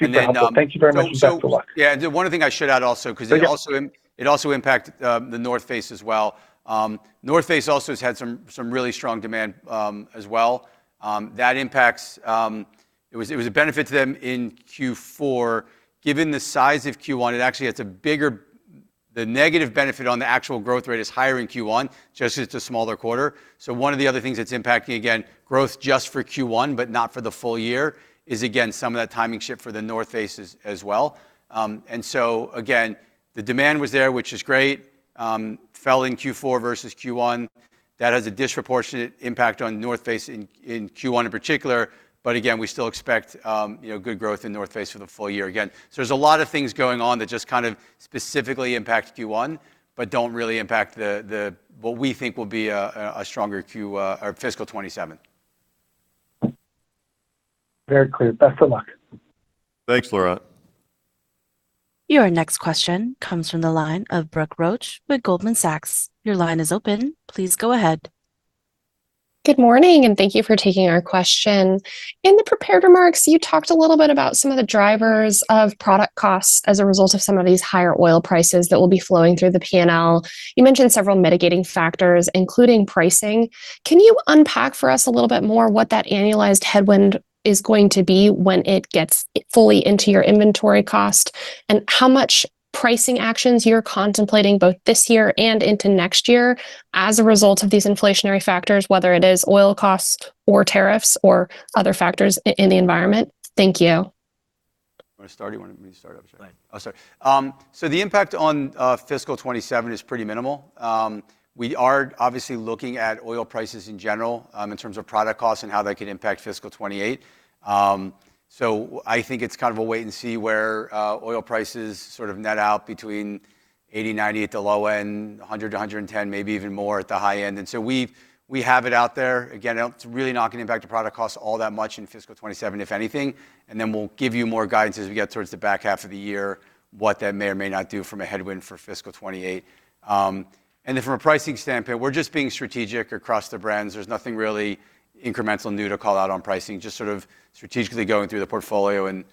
Super helpful. Thank you very much and best of luck. One other thing I should add also because it also impacted The North Face as well. North Face also has had some really strong demand as well. It was a benefit to them in Q4. Given the size of Q1, it actually has The negative benefit on the actual growth rate is higher in Q1 just because it's a smaller quarter. One of the other things that's impacting, again, growth just for Q1 but not for the full year is, again, some of that timing shift for The North Face as well. Again, the demand was there, which is great. Fell in Q4 versus Q1. That has a disproportionate impact on North Face in Q1 in particular. Again, we still expect good growth in North Face for the full year again. There's a lot of things going on that just kind of specifically impact Q1 but don't really impact what we think will be a stronger FY 2027. Very clear. Best of luck. Thanks, Laurent. Your next question comes from the line of Brooke Roach with Goldman Sachs. Your line is open. Please go ahead. Good morning. Thank you for taking our question. In the prepared remarks, you talked a little bit about some of the drivers of product costs as a result of some of these higher oil prices that will be flowing through the P&L. You mentioned several mitigating factors, including pricing. Can you unpack for us a little bit more what that annualized headwind is going to be when it gets fully into your inventory cost and how much pricing actions you're contemplating both this year and into next year as a result of these inflationary factors, whether it is oil costs or tariffs or other factors in the environment? Thank you. Want to start, or you want me to start, Paul? Go ahead. Sorry. The impact on fiscal 2027 is pretty minimal. We are obviously looking at oil prices in general, in terms of product costs and how that could impact fiscal 2028. I think it's kind of a wait and see where oil prices sort of net out between $80 million-$90 million at the low end, $100 million-$110 million, maybe even more at the high end. We have it out there. Again, it's really not going to impact the product costs all that much in fiscal 2027, if anything. We'll give you more guidance as we get towards the back half of the year, what that may or may not do from a headwind for fiscal 2028. From a pricing standpoint, we're just being strategic across the brands. There's nothing really incremental new to call out on pricing, just sort of strategically going through the portfolio and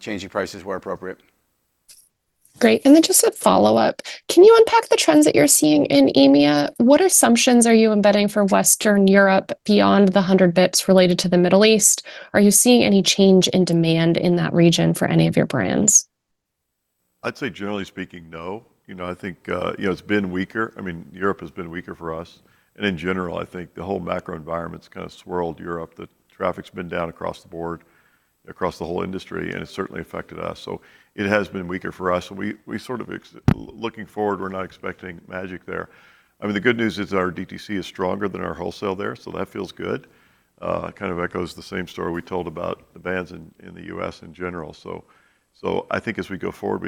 changing prices where appropriate. Great. Just a follow-up. Can you unpack the trends that you're seeing in EMEA? What assumptions are you embedding for Western Europe beyond the 100 basis points related to the Middle East? Are you seeing any change in demand in that region for any of your brands? I'd say generally speaking, no. I think it's been weaker. Europe has been weaker for us. In general, I think the whole macro environment's kind of swirled Europe, that traffic's been down across the board, across the whole industry, and it's certainly affected us. It has been weaker for us. Looking forward, we're not expecting magic there. The good news is our DTC is stronger than our wholesale there, that feels good. Kind of echoes the same story we told about the Vans in the U.S. in general. I think as we go forward,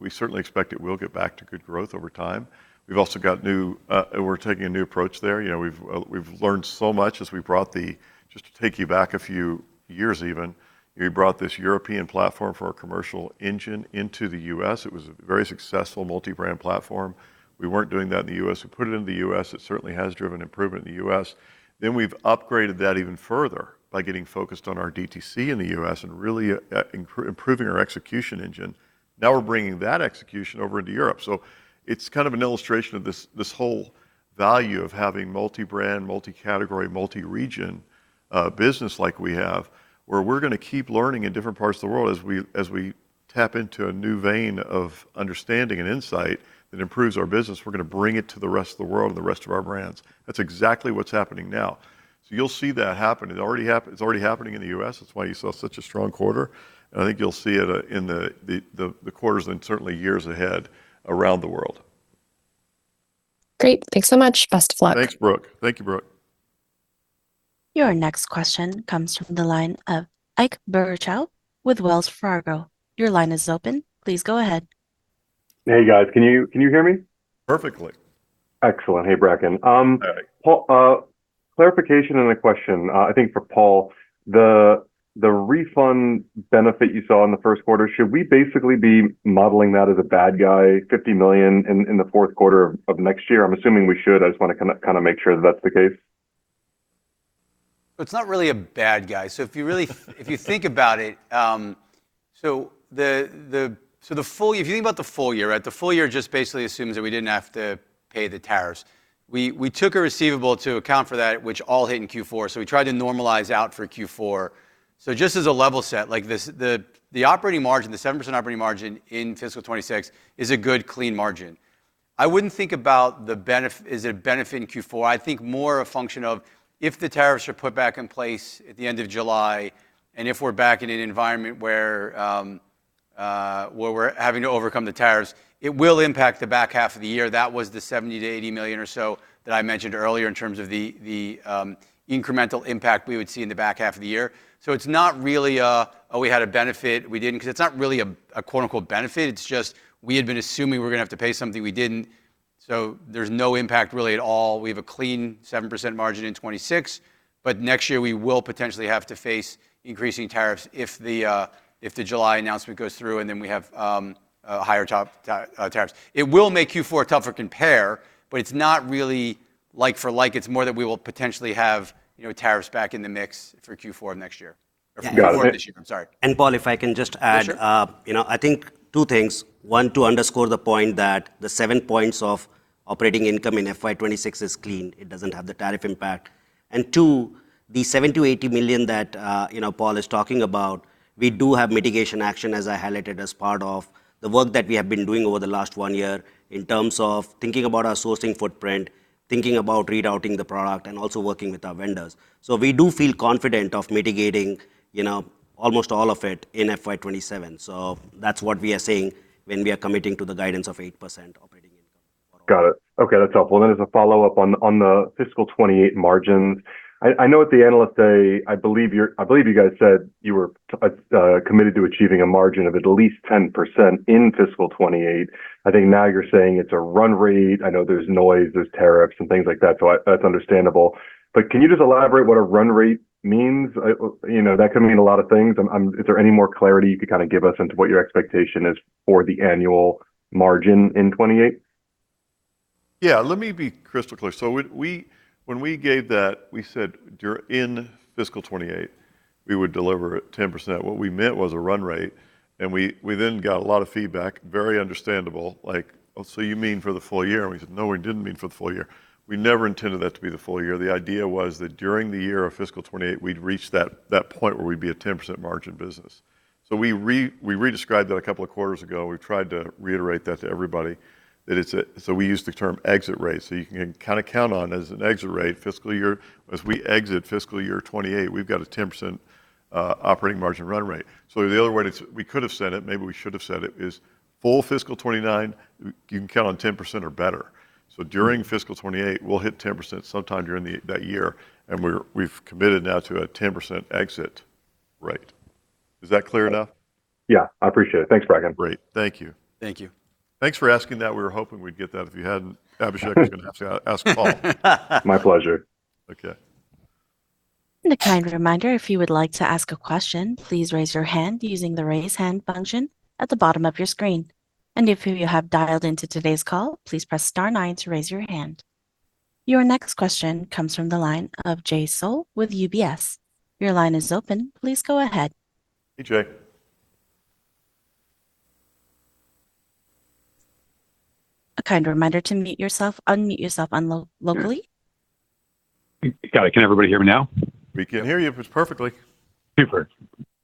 we certainly expect it will get back to good growth over time. We're taking a new approach there. We've learned so much as we brought Just to take you back a few years, even, we brought this European platform for our commercial engine into the U.S. It was a very successful multi-brand platform. We weren't doing that in the U.S. We put it into the U.S. It certainly has driven improvement in the U.S. We've upgraded that even further by getting focused on our DTC in the U.S. and really improving our execution engine. Now we're bringing that execution over into Europe. It's kind of an illustration of this whole value of having multi-brand, multi-category, multi-region business like we have, where we're going to keep learning in different parts of the world as we tap into a new vein of understanding and insight that improves our business. We're going to bring it to the rest of the world and the rest of our brands. That's exactly what's happening now. You'll see that happen. It's already happening in the U.S. That's why you saw such a strong quarter. I think you'll see it in the quarters and certainly years ahead around the world. Great. Thanks so much. Best of luck. Thanks, Brooke. Thank you, Brooke. Your next question comes from the line of Ike Boruchow with Wells Fargo. Your line is open. Please go ahead. Hey, guys. Can you hear me? Perfectly. Excellent. Hey, Bracken. Hey. Paul, clarification on a question, I think for Paul. The refund benefit you saw in the first quarter, should we basically be modeling that as a bad guy, $50 million in the fourth quarter of next year? I'm assuming we should. I just want to kind of make sure that that's the case. It's not really a bad guy. If you think about it, if you think about the full year, the full year just basically assumes that we didn't have to pay the tariffs. We took a receivable to account for that, which all hit in Q4. We tried to normalize out for Q4. Just as a level set, the operating margin, the 7% operating margin in fiscal 2026 is a good, clean margin. I wouldn't think about is it a benefit in Q4. I think more a function of if the tariffs are put back in place at the end of July, and if we're back in an environment where we're having to overcome the tariffs, it will impact the back half of the year. That was the $70 million-$80 million or so that I mentioned earlier in terms of the incremental impact we would see in the back half of the year. It's not really a, oh, we had a benefit, we didn't, because it's not really a quote-unquote, benefit. It's just, we had been assuming we were going to have to pay something we didn't. There's no impact really at all. We have a clean 7% margin in 2026. Next year, we will potentially have to face increasing tariffs if the July announcement goes through, and then we have higher tariffs. It will make Q4 tougher compare, but it's not really like for like. It's more that we will potentially have tariffs back in the mix for Q4 of next year. Got it. For this year. I'm sorry. Paul, if I can just add. For sure. I think two things. One, to underscore the point that the 7 points of operating income in FY 2026 is clean. It doesn't have the tariff impact. Two, the $70 million-$80 million that Paul is talking about, we do have mitigation action, as I highlighted, as part of the work that we have been doing over the last 1 year in terms of thinking about our sourcing footprint, thinking about rerouting the product, and also working with our vendors. We do feel confident of mitigating almost all of it in FY 2027. That's what we are saying when we are committing to the guidance of 8% operating income. Got it. Okay. That's helpful. As a follow-up on the fiscal 2028 margins. I know at the analyst day, I believe you guys said you were committed to achieving a margin of at least 10% in fiscal 2028. I think now you're saying it's a run rate. I know there's noise, there's tariffs, and things like that, so that's understandable. Can you just elaborate what a run rate means? That can mean a lot of things. Is there any more clarity you could kind of give us into what your expectation is for the annual margin in 2028? Let me be crystal clear. When we gave that, we said in fiscal 2028, we would deliver at 10%. What we meant was a run rate, and we then got a lot of feedback, very understandable, like, Oh, so you mean for the full year? We said, no, we didn't mean for the full year. We never intended that to be the full year. The idea was that during the year of fiscal 2028, we'd reach that point where we'd be a 10% margin business. We redescribed that a couple of quarters ago. We've tried to reiterate that to everybody. We use the term exit rate. You can kind of count on as an exit rate fiscal year, as we exit fiscal year 2028, we've got a 10% operating margin run rate. The other way we could've said it, maybe we should have said it, is full fiscal 2029, you can count on 10% or better. During fiscal 2028, we'll hit 10% sometime during that year, and we've committed now to a 10% exit rate. Is that clear enough? Yeah. I appreciate it. Thanks, Bracken. Great. Thank you. Thank you. Thanks for asking that. We were hoping we'd get that. If you hadn't, Abhishek was going to ask Paul. My pleasure. Okay. A kind reminder, if you would like to ask a question, please raise your hand using the raise hand function at the bottom of your screen. If you have dialed into today's call, please press star nine to raise your hand. Your next question comes from the line of Jay Sole with UBS. Your line is open. Please go ahead. Hey, Jay. A kind reminder to unmute yourself locally. Sure. Got it. Can everybody hear me now? We can hear you perfectly. Super.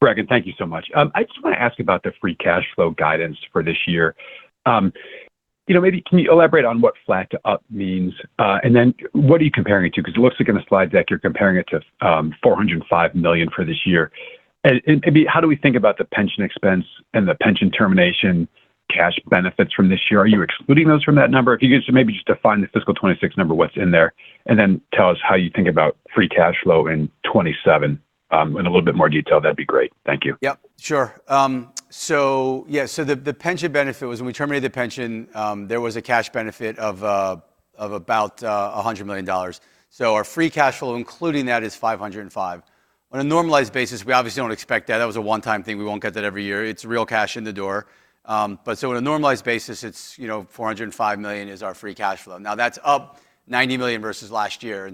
Bracken, thank you so much. I just want to ask about the free cash flow guidance for this year. Maybe can you elaborate on what flat to up means? What are you comparing it to? Because it looks like in the slide deck you're comparing it to $405 million for this year. Maybe how do we think about the pension expense and the pension termination cash benefits from this year? Are you excluding those from that number? If you could just maybe just define the fiscal 2026 number, what's in there, and then tell us how you think about free cash flow in 2027 in a little bit more detail, that'd be great. Thank you. Yep. Sure. The pension benefit was when we terminated the pension, there was a cash benefit of about $100 million. Our free cash flow, including that, is $505 million. On a normalized basis, we obviously don't expect that. That was a one-time thing. We won't get that every year. It's real cash in the door. On a normalized basis, $405 million is our free cash flow. That's up $90 million versus last year.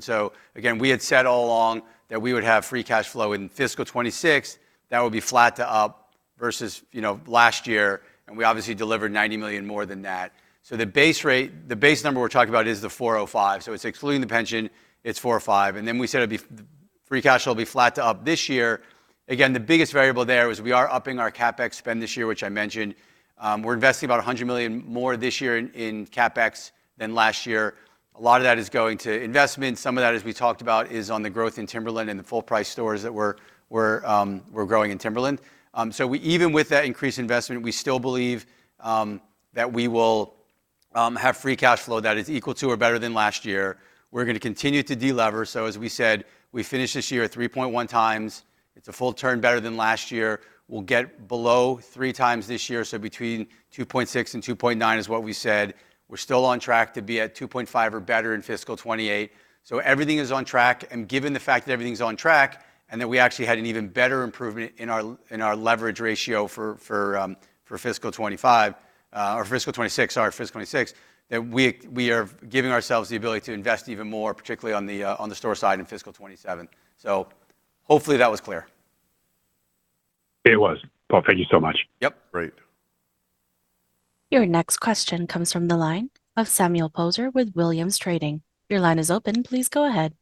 Again, we had said all along that we would have free cash flow in fiscal 2026 that would be flat to up versus last year, and we obviously delivered $90 million more than that. The base number we're talking about is the $405 million. It's excluding the pension, it's $405 million. We said free cash flow will be flat to up this year. The biggest variable there was we are upping our CapEx spend this year, which I mentioned. We're investing about $100 million more this year in CapEx than last year. A lot of that is going to investment. Some of that, as we talked about, is on the growth in Timberland and the full-price stores that we're growing in Timberland. Even with that increased investment, we still believe that we will have free cash flow that is equal to or better than last year. We're going to continue to delever. As we said, we finish this year at 3.1x. It's a full turn better than last year. We'll get below 3x this year, between 2.6x and 2.9x is what we said. We're still on track to be at 2.5x or better in fiscal 2028. Everything is on track, and given the fact that everything's on track and that we actually had an even better improvement in our leverage ratio for fiscal 2026, that we are giving ourselves the ability to invest even more, particularly on the store side in fiscal 2027. Hopefully that was clear. It was. Paul, thank you so much. Yep. Great. Your next question comes from the line of Samuel Poser with Williams Trading. Your line is open. Please go ahead.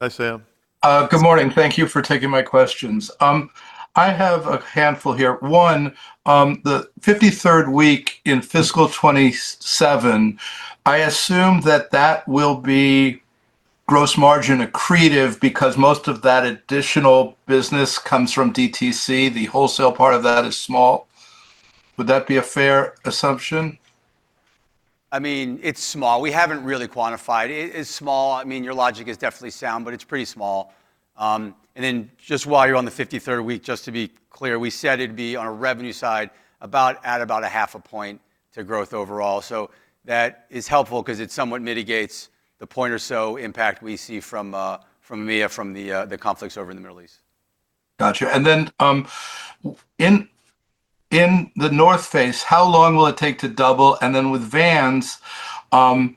Hi, Sam. Good morning. Thank you for taking my questions. I have a handful here. One, the 53rd week in fiscal 2027, I assume that that will be gross margin accretive because most of that additional business comes from DTC. The wholesale part of that is small. Would that be a fair assumption? It's small. We haven't really quantified. It is small. Your logic is definitely sound, it's pretty small. Just while you're on the 53rd week, just to be clear, we said it'd be on a revenue side at about 0.5 point to growth overall. That is helpful because it somewhat mitigates the point or so impact we see from MEA from the conflicts over in the Middle East. Got you. In The North Face, how long will it take to double? With Vans, you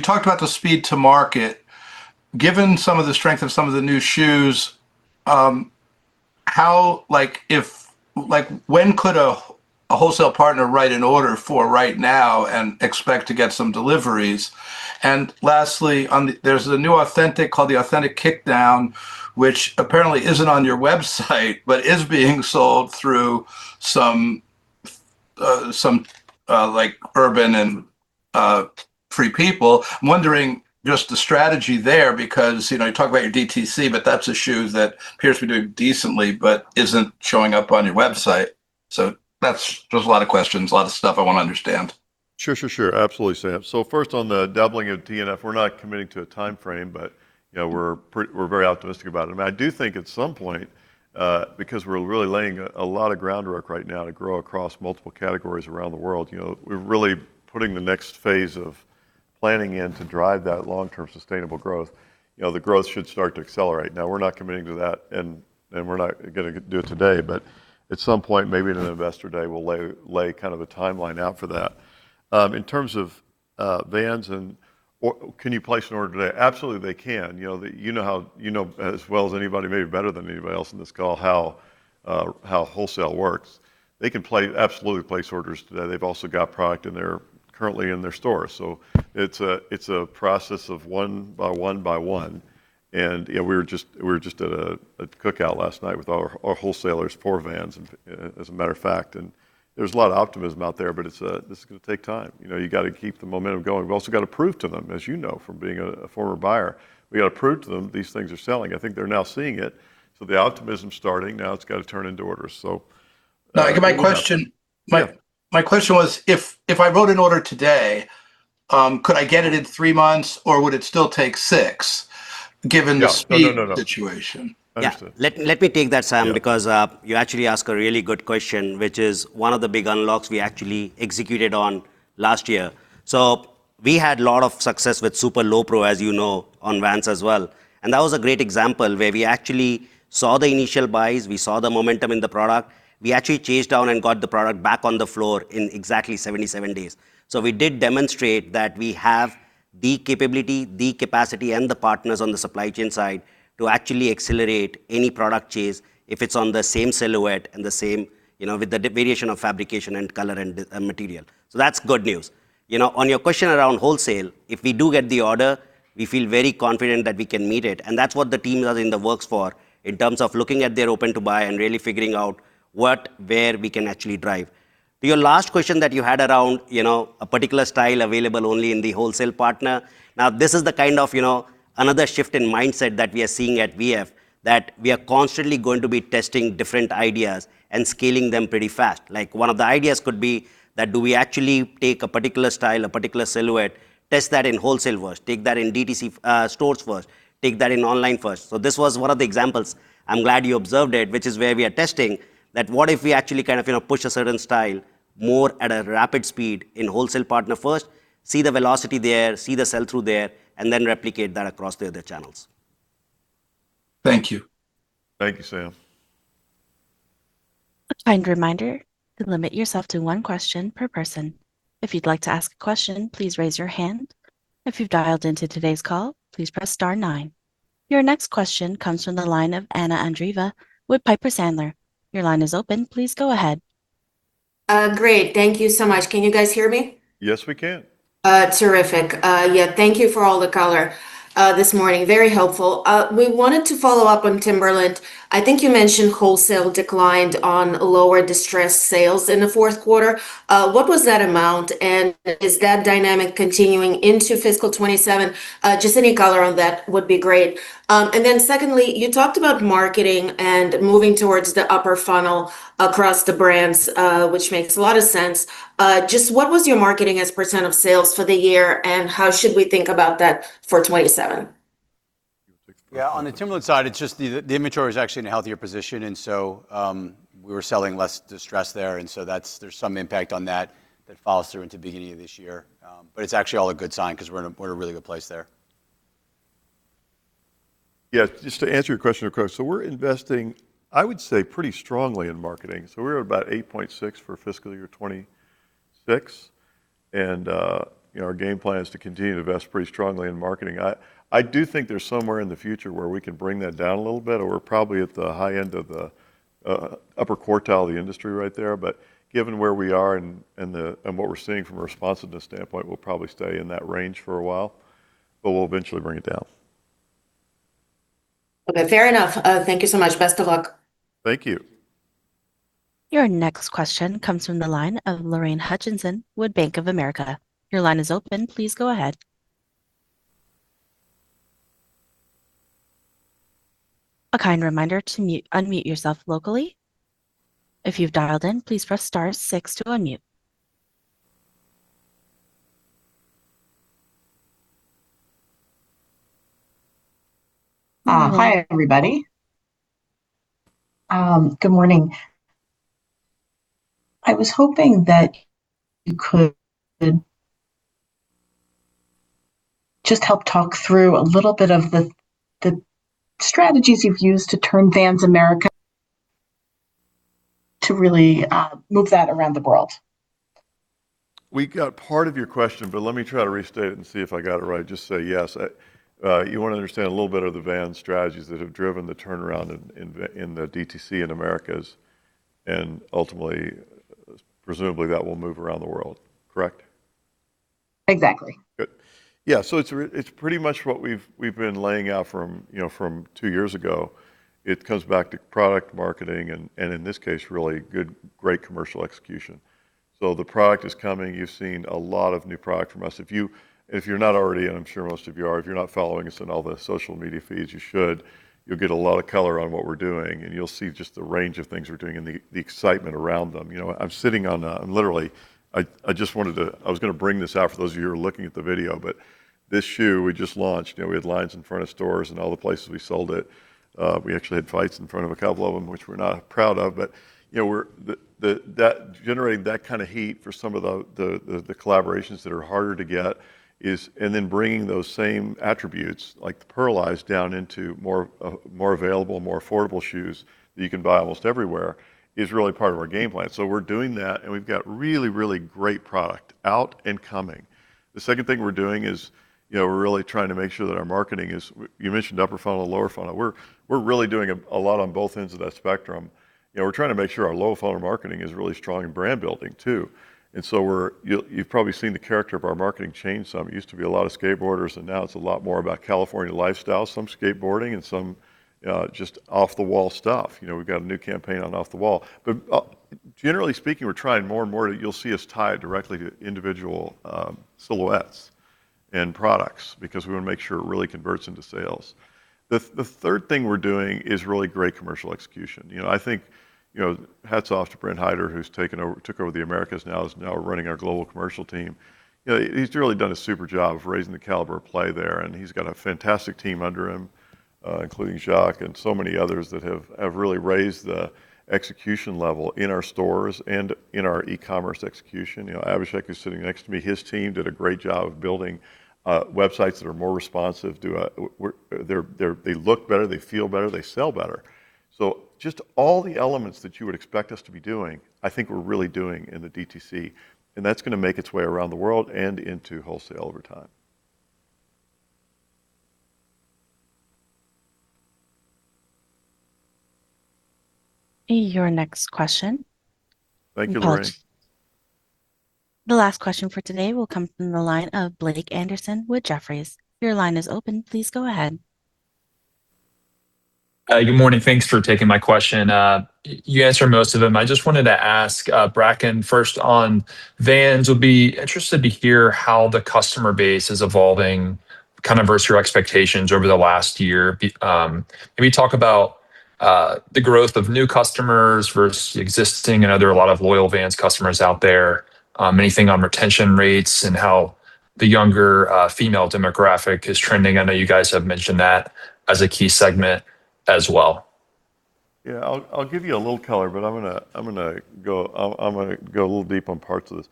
talked about the speed to market. Given some of the strength of some of the new shoes, when could a wholesale partner write an order for right now and expect to get some deliveries? Lastly, there's the new Authentic called the Authentic Kickdown, which apparently isn't on your website, but is being sold through some Urban Outfitters and Free People. I'm wondering just the strategy there because you talk about your DTC, but that's a shoe that appears to be doing decently but isn't showing up on your website. Just a lot of questions, a lot of stuff I want to understand. Sure. Absolutely, Sam. First, on the doubling of TNF, we're not committing to a timeframe, but we're very optimistic about it. I do think at some point, because we're really laying a lot of groundwork right now to grow across multiple categories around the world, we're really putting the next phase of planning in to drive that long-term sustainable growth. The growth should start to accelerate. We're not committing to that, and we're not going to do it today. At some point, maybe at an investor day, we'll lay a timeline out for that. In terms of Vans and can you place an order today? Absolutely, they can. You know as well as anybody, maybe better than anybody else in this call, how wholesale works. They can absolutely place orders today. They've also got product currently in their stores. It's a process of one by one by one. We were just at a cookout last night with our wholesalers for Vans, as a matter of fact. There's a lot of optimism out there, but this is going to take time. You got to keep the momentum going. We've also got to prove to them, as you know from being a former buyer, we got to prove to them these things are selling. I think they're now seeing it. The optimism's starting. Now it's got to turn into orders. My question was, if I wrote an order today, could I get it in three months, or would it still take six months given the speed. [inaudible] No. Understood. Yeah. Let me take that, Sam- Yeah. because you actually ask a really good question, which is one of the big unlocks we actually executed on last year. We had a lot of success with Super Lowpro, as you know, on Vans as well. That was a great example where we actually saw the initial buys, we saw the momentum in the product. We actually chased down and got the product back on the floor in exactly 77 days. We did demonstrate that we have the capability, the capacity, and the partners on the supply chain side to actually accelerate any product chase if it's on the same silhouette and the same, with the variation of fabrication and color and material. On your question around wholesale, if we do get the order, we feel very confident that we can meet it, and that's what the teams are in the works for in terms of looking at their open to buy and really figuring out what, where we can actually drive. To your last question that you had around a particular style available only in the wholesale partner. Now, this is the kind of another shift in mindset that we are seeing at VF, that we are constantly going to be testing different ideas and scaling them pretty fast. One of the ideas could be that do we actually take a particular style, a particular silhouette, test that in wholesale first, take that in DTC stores first, take that in online first. This was one of the examples. I'm glad you observed it, which is where we are testing that what if we actually kind of push a certain style more at a rapid speed in wholesale partner first, see the velocity there, see the sell-through there, and then replicate that across the other channels. Thank you. Thank you, Sam. A kind reminder to limit yourself to one question per person. If you'd like to ask a question, please raise your hand. If you've dialed into today's call, please press star nine. Your next question comes from the line of Anna Andreeva with Piper Sandler. Your line is open. Please go ahead. Great. Thank you so much. Can you guys hear me? Yes, we can. Terrific. Yeah, thank you for all the color this morning. Very helpful. We wanted to follow up on Timberland. I think you mentioned wholesale declined on lower distressed sales in the fourth quarter. What was that amount and is that dynamic continuing into fiscal 2027? Any color on that would be great. Secondly, you talked about marketing and moving towards the upper funnel across the brands, which makes a lot of sense. What was your marketing as percent of sales for the year, and how should we think about that for 2027? You want to take the first? Yeah, on the Timberland side, it's just the inventory is actually in a healthier position. We were selling less distressed there. There's some impact on that that follows through into the beginning of this year. It's actually all a good sign because we're in a really good place there. Yeah, just to answer your question, of course. We're investing, I would say, pretty strongly in marketing. We're at about 8.6% for fiscal year 2026, and our game plan is to continue to invest pretty strongly in marketing. I do think there's somewhere in the future where we can bring that down a little bit, or we're probably at the high end of the upper quartile of the industry right there. Given where we are and what we're seeing from a responsiveness standpoint, we'll probably stay in that range for a while, but we'll eventually bring it down. Okay. Fair enough. Thank you so much. Best of luck. Thank you. Your next question comes from the line of Lorraine Hutchinson with Bank of America. Your line is open. Please go ahead. A kind reminder to unmute yourself locally. If you've dialed in, please press star six to unmute. Hi, everybody. Good morning. I was hoping that you could just help talk through a little bit of the strategies you've used to turn Vans America to really move that around the world. We got part of your question, but let me try to restate it and see if I got it right. Just say yes. You want to understand a little bit of the Vans strategies that have driven the turnaround in the DTC in Americas, and ultimately, presumably, that will move around the world. Correct? Exactly. Good. Yeah. It's pretty much what we've been laying out from two years ago. It comes back to product marketing and, in this case, really great commercial execution. The product is coming. You've seen a lot of new product from us. If you're not already, and I'm sure most of you are, if you're not following us on all the social media feeds, you should. You'll get a lot of color on what we're doing, and you'll see just the range of things we're doing and the excitement around them. Literally, I was going to bring this out for those of you who are looking at the video, but this shoe we just launched. We had lines in front of stores and all the places we sold it. We actually had fights in front of a couple of them, which we're not proud of. Generating that kind of heat for some of the collaborations that are harder to get and then bringing those same attributes, like the Pearlized down into more available, more affordable shoes that you can buy almost everywhere, is really part of our game plan. We're doing that, and we've got really, really great product out and coming. The second thing we're doing is we're really trying to make sure that our marketing is. You mentioned upper funnel, lower funnel. We're really doing a lot on both ends of that spectrum. We're trying to make sure our lower funnel marketing is really strong in brand building, too. You've probably seen the character of our marketing change some. It used to be a lot of skateboarders, and now it's a lot more about California lifestyle, some skateboarding, and some just Off The Wall stuff. We've got a new campaign on Off The Wall. Generally speaking, we're trying more and more to You'll see us tied directly to individual silhouettes and products, because we want to make sure it really converts into sales. The third thing we're doing is really great commercial execution. I think hats off to Brent Hyder, who's took over the Americas now, is now running our global commercial team. He's really done a super job of raising the caliber of play there, and he's got a fantastic team under him, including Jacques and so many others that have really raised the execution level in our stores and in our e-commerce execution. Abhishek is sitting next to me. His team did a great job of building websites that are more responsive. They look better, they feel better, they sell better. Just all the elements that you would expect us to be doing, I think we're really doing in the DTC, and that's going to make its way around the world and into wholesale over time. Your next question. Thank you, Lorraine. Hold. The last question for today will come from the line of Blake Anderson with Jefferies. Your line is open. Please go ahead. Good morning. Thanks for taking my question. You answered most of them. I just wanted to ask Bracken first on Vans. Would be interested to hear how the customer base is evolving kind of versus your expectations over the last year. Maybe talk about the growth of new customers versus existing. I know there are a lot of loyal Vans customers out there. Anything on retention rates and how the younger female demographic is trending? I know you guys have mentioned that as a key segment as well. Yeah. I'll give you a little color, but I'm going to go a little deep on parts of this.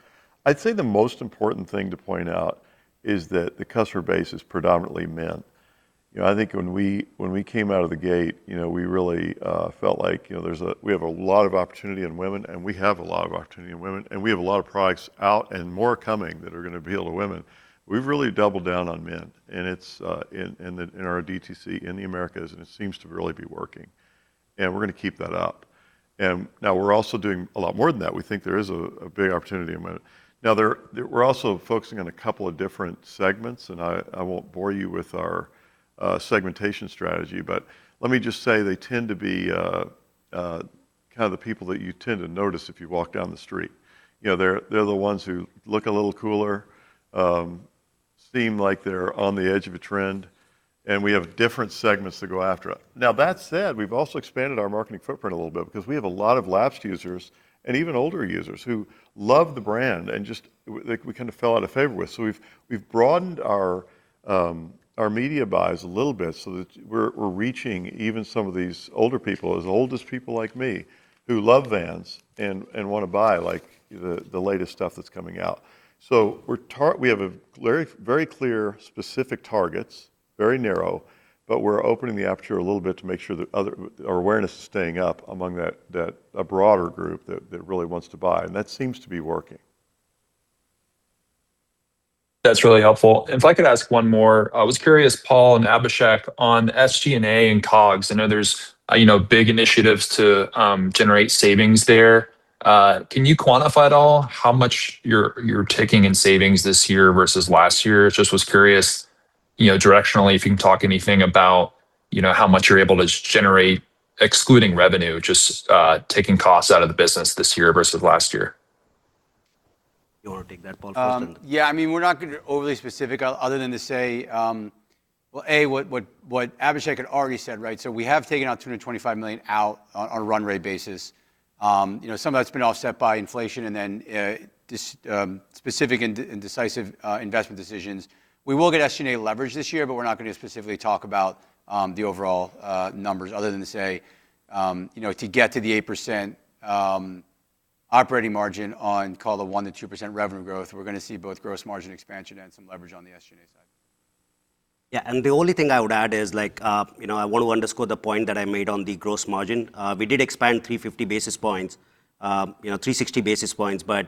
I'd say the most important thing to point out is that the customer base is predominantly men. I think when we came out of the gate, we really felt like we have a lot of opportunity in women, and we have a lot of products out and more coming that are going to be available to women. We've really doubled down on men in our DTC in the Americas, and it seems to really be working, and we're going to keep that up. Now, we're also doing a lot more than that. We think there is a big opportunity in men. We're also focusing on a couple of different segments, and I won't bore you with our segmentation strategy, but let me just say they tend to be kind of the people that you tend to notice if you walk down the street. They're the ones who look a little cooler, seem like they're on the edge of a trend, and we have different segments to go after it. That said, we've also expanded our marketing footprint a little bit because we have a lot of lapsed users and even older users who love the brand and just we kind of fell out of favor with. We've broadened our media buys a little bit so that we're reaching even some of these older people, as old as people like me, who love Vans and want to buy the latest stuff that's coming out. We have very clear, specific targets, very narrow, but we're opening the aperture a little bit to make sure that our awareness is staying up among a broader group that really wants to buy, and that seems to be working. That's really helpful. If I could ask one more. I was curious, Paul and Abhishek, on SG&A and COGS. I know there's big initiatives to generate savings there. Can you quantify at all how much you're taking in savings this year versus last year? Just was curious directionally if you can talk anything about how much you're able to generate, excluding revenue, just taking costs out of the business this year versus last year. You want to take that, Paul? Yeah. We're not going to get overly specific other than to say, well, A, what Abhishek had already said, right? We have taken out $225 million out on a run rate basis. Some of that's been offset by inflation and then just specific and decisive investment decisions. We will get SG&A leverage this year, but we're not going to specifically talk about the overall numbers other than to say to get to the 8% operating margin on, call it 1%-2% revenue growth, we're going to see both gross margin expansion and some leverage on the SG&A side. Yeah. The only thing I would add is I want to underscore the point that I made on the gross margin. We did expand 350 basis points, 360 basis points, but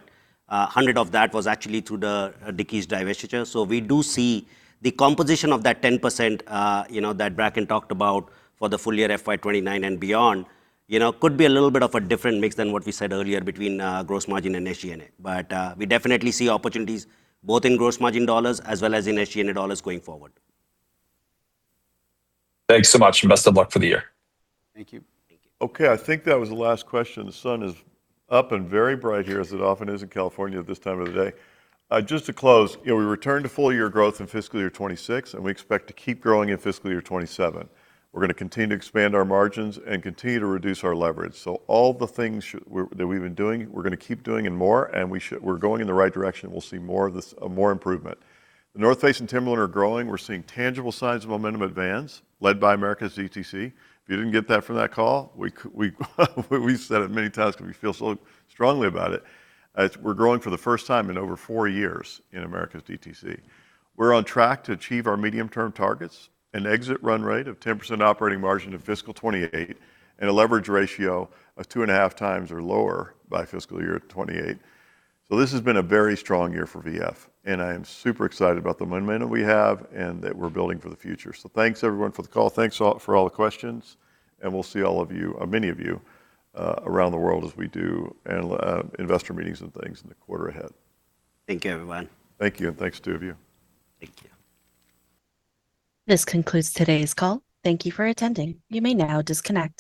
100 of that was actually through the Dickies divestiture. We do see the composition of that 10% that Bracken talked about for the full year FY 2029 and beyond could be a little bit of a different mix than what we said earlier between gross margin and SG&A. We definitely see opportunities both in gross margin dollars as well as in SG&A dollars going forward. Thanks so much. Best of luck for the year. Thank you. Thank you. I think that was the last question. The sun is up and very bright here, as it often is in California at this time of the day. Just to close, we return to full-year growth in fiscal year 2026, we expect to keep growing in fiscal year 2027. We're going to continue to expand our margins and continue to reduce our leverage. All the things that we've been doing, we're going to keep doing and more, we're going in the right direction. We'll see more improvement. The North Face and Timberland are growing. We're seeing tangible signs of momentum at Vans led by Americas DTC. If you didn't get that from that call we've said it many times because we feel so strongly about it, as we're growing for the first time in over four years in Americas DTC. We're on track to achieve our medium-term targets, an exit run rate of 10% operating margin in fiscal 2028, and a leverage ratio of 2.5x or lower by fiscal year 2028. This has been a very strong year for VF, and I am super excited about the momentum we have and that we're building for the future. Thanks, everyone, for the call. Thanks for all the questions, and we'll see all of you, or many of you, around the world as we do investor meetings and things in the quarter ahead. Thank you, everyone. Thank you, and thanks to two of you. Thank you. This concludes today's call. Thank you for attending. You may now disconnect.